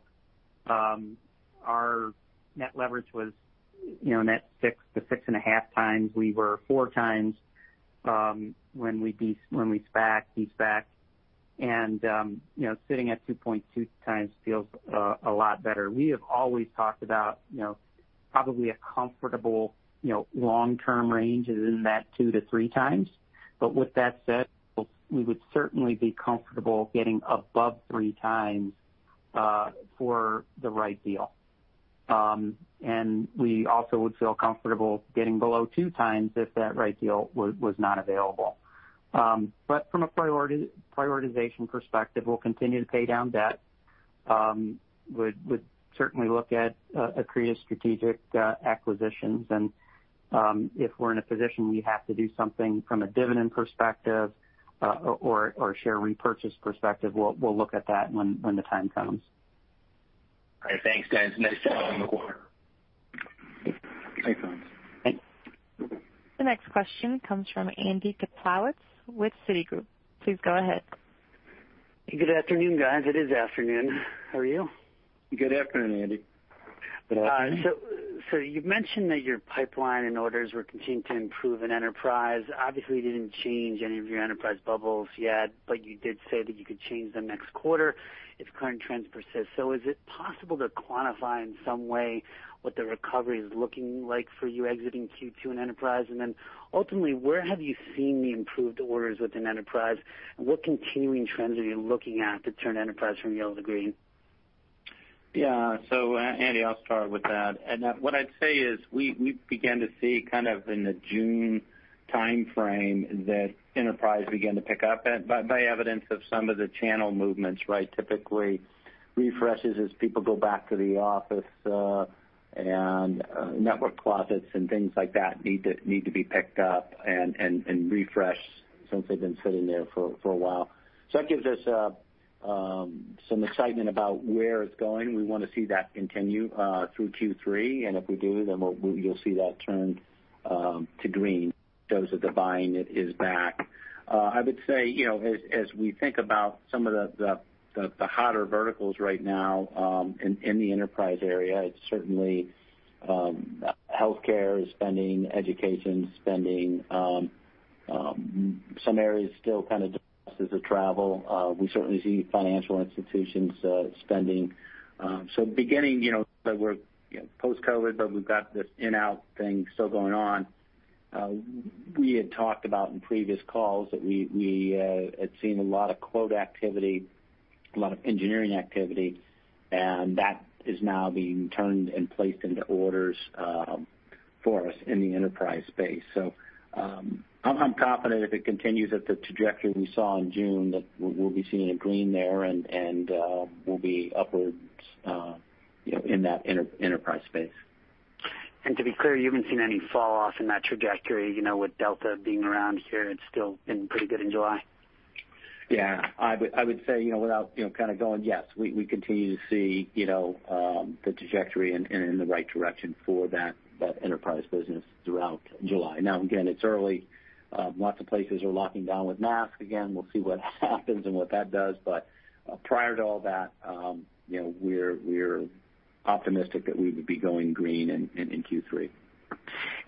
our net leverage was net 6x-6.5x. We were 4x when we SPAC'd, de-SPAC'd, and sitting at 2.2x feels a lot better. We have always talked about probably a comfortable long-term range is in that 2x-3x. With that said, we would certainly be comfortable getting above 3x for the right deal. We also would feel comfortable getting below 2x if that right deal was not available. From a prioritization perspective, we'll continue to pay down debt. We'd certainly look at accretive strategic acquisitions. If we're in a position we have to do something from a dividend perspective or share repurchase perspective, we'll look at that when the time comes. All right. Thanks, guys. Nice job on the quarter. Thanks, guys. Thanks. The next question comes from Andy Kaplowitz with Citigroup. Please go ahead. Good afternoon, guys. It is afternoon. How are you? Good afternoon, Andy. Good afternoon. You've mentioned that your pipeline and orders were continuing to improve in enterprise. You didn't change any of your enterprise bubbles yet, but you did say that you could change them next quarter if the current trends persist. Is it possible to quantify in some way what the recovery is looking like for you exiting Q2 in enterprise? Ultimately, where have you seen the improved orders within enterprise, and what continuing trends are you looking at to turn enterprise from yellow to green? Yeah. Andy, I'll start with that. What I'd say is we began to see kind of in the June timeframe that enterprise began to pick up by evidence of some of the channel movements, right? Typically, refreshes as people go back to the office, and network closets and things like that need to be picked up and refreshed since they've been sitting there for a while. That gives us some excitement about where it's going. We want to see that continue through Q3, and if we do, then you'll see that turn to green, shows that the buying is back. I would say, as we think about some of the hotter verticals right now in the enterprise area, it's certainly healthcare spending, education spending. Some areas still kind of depressed is the travel. We certainly see financial institutions spending. Beginning, that we're post-COVID, but we've got this in-out thing still going on. We had talked about in previous calls that we had seen a lot of quote activity, a lot of engineering activity, and that is now being turned and placed into orders for us in the enterprise space. I'm confident if it continues at the trajectory we saw in June, that we'll be seeing a green there and we'll be upwards in that enterprise space. To be clear, you haven't seen any fall off in that trajectory, with Delta being around here, it's still been pretty good in July? Yeah. I would say without kind of going, yes, we continue to see the trajectory and in the right direction for that enterprise business throughout July. Again, it's early. Lots of places are locking down with masks again. We'll see what happens and what that does. Prior to all that, we're optimistic that we would be going green in Q3.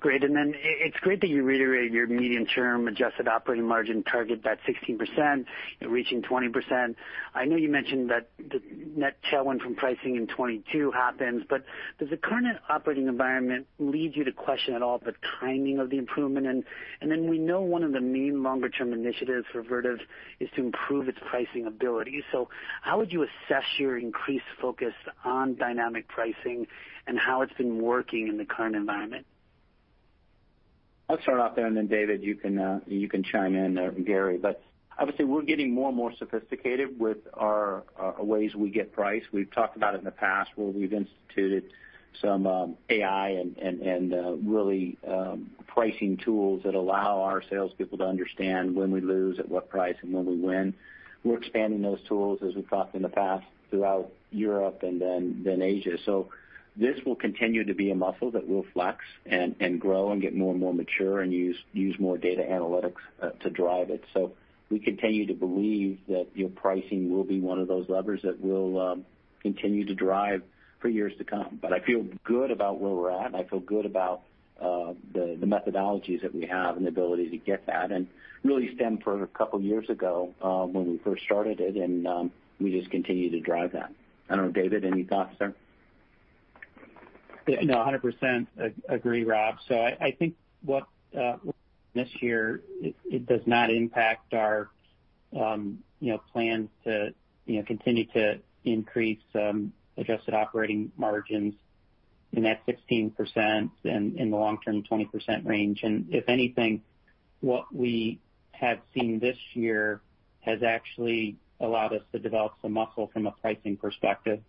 Great. Then it's great that you reiterated your medium-term adjusted operating margin target, that 16%, reaching 20%. I know you mentioned that the net tailwind from pricing in 2022 happens, but does the current operating environment lead you to question at all the timing of the improvement? Then we know one of the main longer-term initiatives for Vertiv is to improve its pricing ability. How would you assess your increased focus on dynamic pricing and how it's been working in the current environment? I'll start off there, and then, David, you can chime in there, and Gary. Obviously, we're getting more and more sophisticated with our ways we get price. We've talked about it in the past where we've instituted some AI and really pricing tools that allow our salespeople to understand when we lose, at what price, and when we win. We're expanding those tools, as we've talked in the past, throughout Europe and then Asia. This will continue to be a muscle that we'll flex and grow and get more and more mature and use more data analytics to drive it. We continue to believe that pricing will be one of those levers that we'll continue to drive for years to come. I feel good about where we're at, and I feel good about the methodologies that we have and the ability to get that, and really stemmed from a couple years ago, when we first started it, and we just continue to drive that. I don't know, David, any thoughts there? 100% agree, Rob. I think what this year, it does not impact our plans to continue to increase adjusted operating margins in that 16% and in the long term, 20% range. If anything, what we have seen this year has actually allowed us to develop some muscle from a pricing perspective.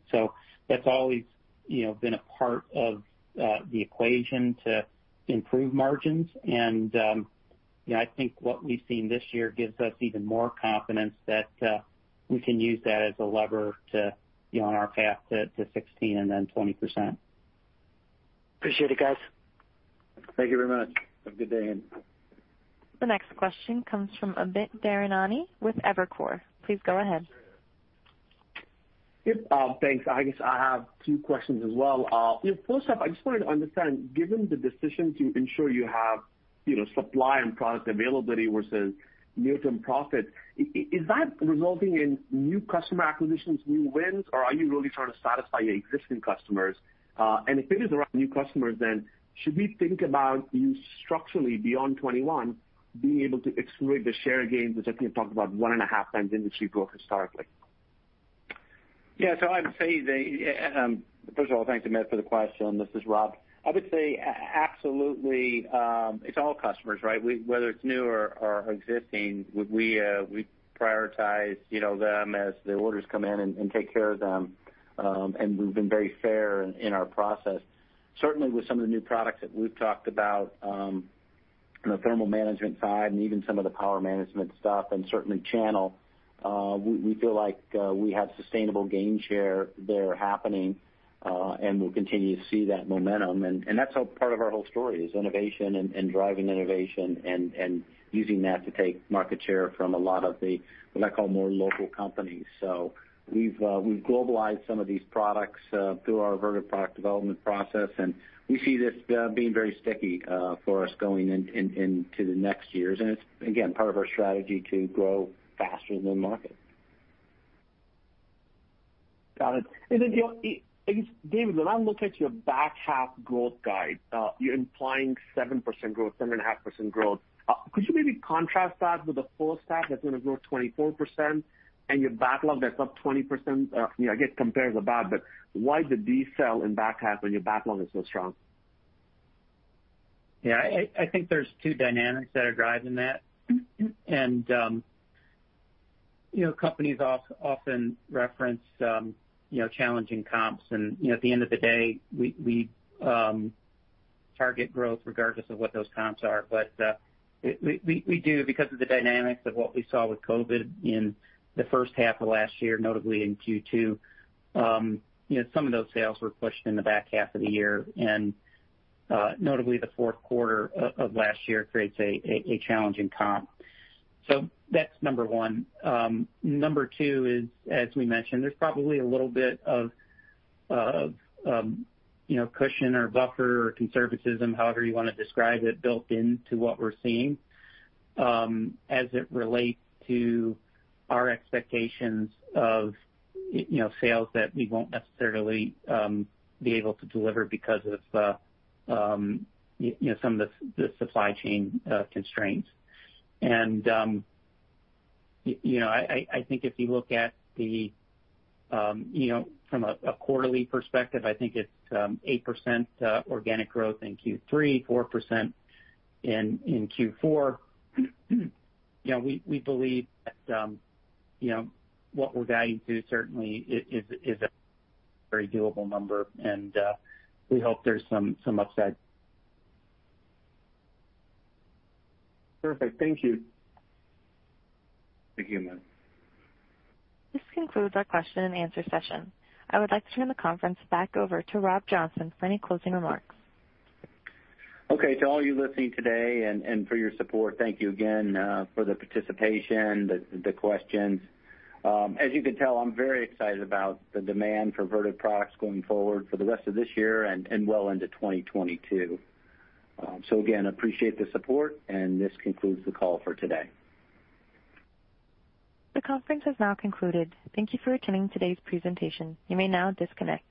That's always been a part of the equation to improve margins. I think what we've seen this year gives us even more confidence that we can use that as a lever to be on our path to 16% and then 20%. Appreciate it, guys. Thank you very much. Have a good day. The next question comes from Amit Daryanani with Evercore. Please go ahead. Yep. Thanks. I guess I have two questions as well. First off, I just wanted to understand, given the decision to ensure you have supply and product availability versus near-term profit, is that resulting in new customer acquisitions, new wins, or are you really trying to satisfy your existing customers? If it is around new customers, should we think about you structurally beyond 2021 being able to accelerate the share gains as you talked about 1.5x industry growth historically? Yeah. First of all, thanks, Amit Daryanani, for the question. This is Rob Johnson. I would say absolutely. It's all customers, right? Whether it's new or existing, we prioritize them as the orders come in and take care of them. We've been very fair in our process. Certainly with some of the new products that we've talked about on the thermal management side and even some of the power management stuff and certainly channel, we feel like we have sustainable gain share there happening, and we'll continue to see that momentum. That's part of our whole story is innovation and driving innovation and using that to take market share from a lot of the, what I call more local companies. We've globalized some of these products through our Vertiv product development process, and we see this being very sticky for us going into the next years, and it's again, part of our strategy to grow faster than the market. Got it. I guess, David, when I look at your back half growth guide, you're implying 7% growth, 7.5% growth. Could you maybe contrast that with the first half that's going to grow 24% and your backlog that's up 20%? I get compares are bad, but why the decel in back half when your backlog is so strong? Yeah. I think there's two dynamics that are driving that. Companies often reference challenging comps and at the end of the day, we target growth regardless of what those comps are. We do because of the dynamics of what we saw with COVID in the first half of last year, notably in Q2. Some of those sales were pushed in the back half of the year, and notably, the fourth quarter of last year creates a challenging comp. That's number one. Number two is, as we mentioned, there's probably a little bit of cushion or buffer or conservatism, however you want to describe it, built into what we're seeing as it relates to our expectations of sales that we won't necessarily be able to deliver because of some of the supply chain constraints. I think if you look at from a quarterly perspective, I think it's 8% organic growth in Q3, 4% in Q4. We believe that what we're guiding to certainly is a very doable number, and we hope there's some upside. Perfect. Thank you. Thank you, Amit. This concludes our question-and-answer session. I would like to turn the conference back over to Rob Johnson for any closing remarks. Okay. To all you listening today and for your support, thank you again for the participation, the questions. As you can tell, I'm very excited about the demand for Vertiv products going forward for the rest of this year and well into 2022. Again, appreciate the support, and this concludes the call for today. The conference has now concluded. Thank you for attending today's presentation. You may now disconnect.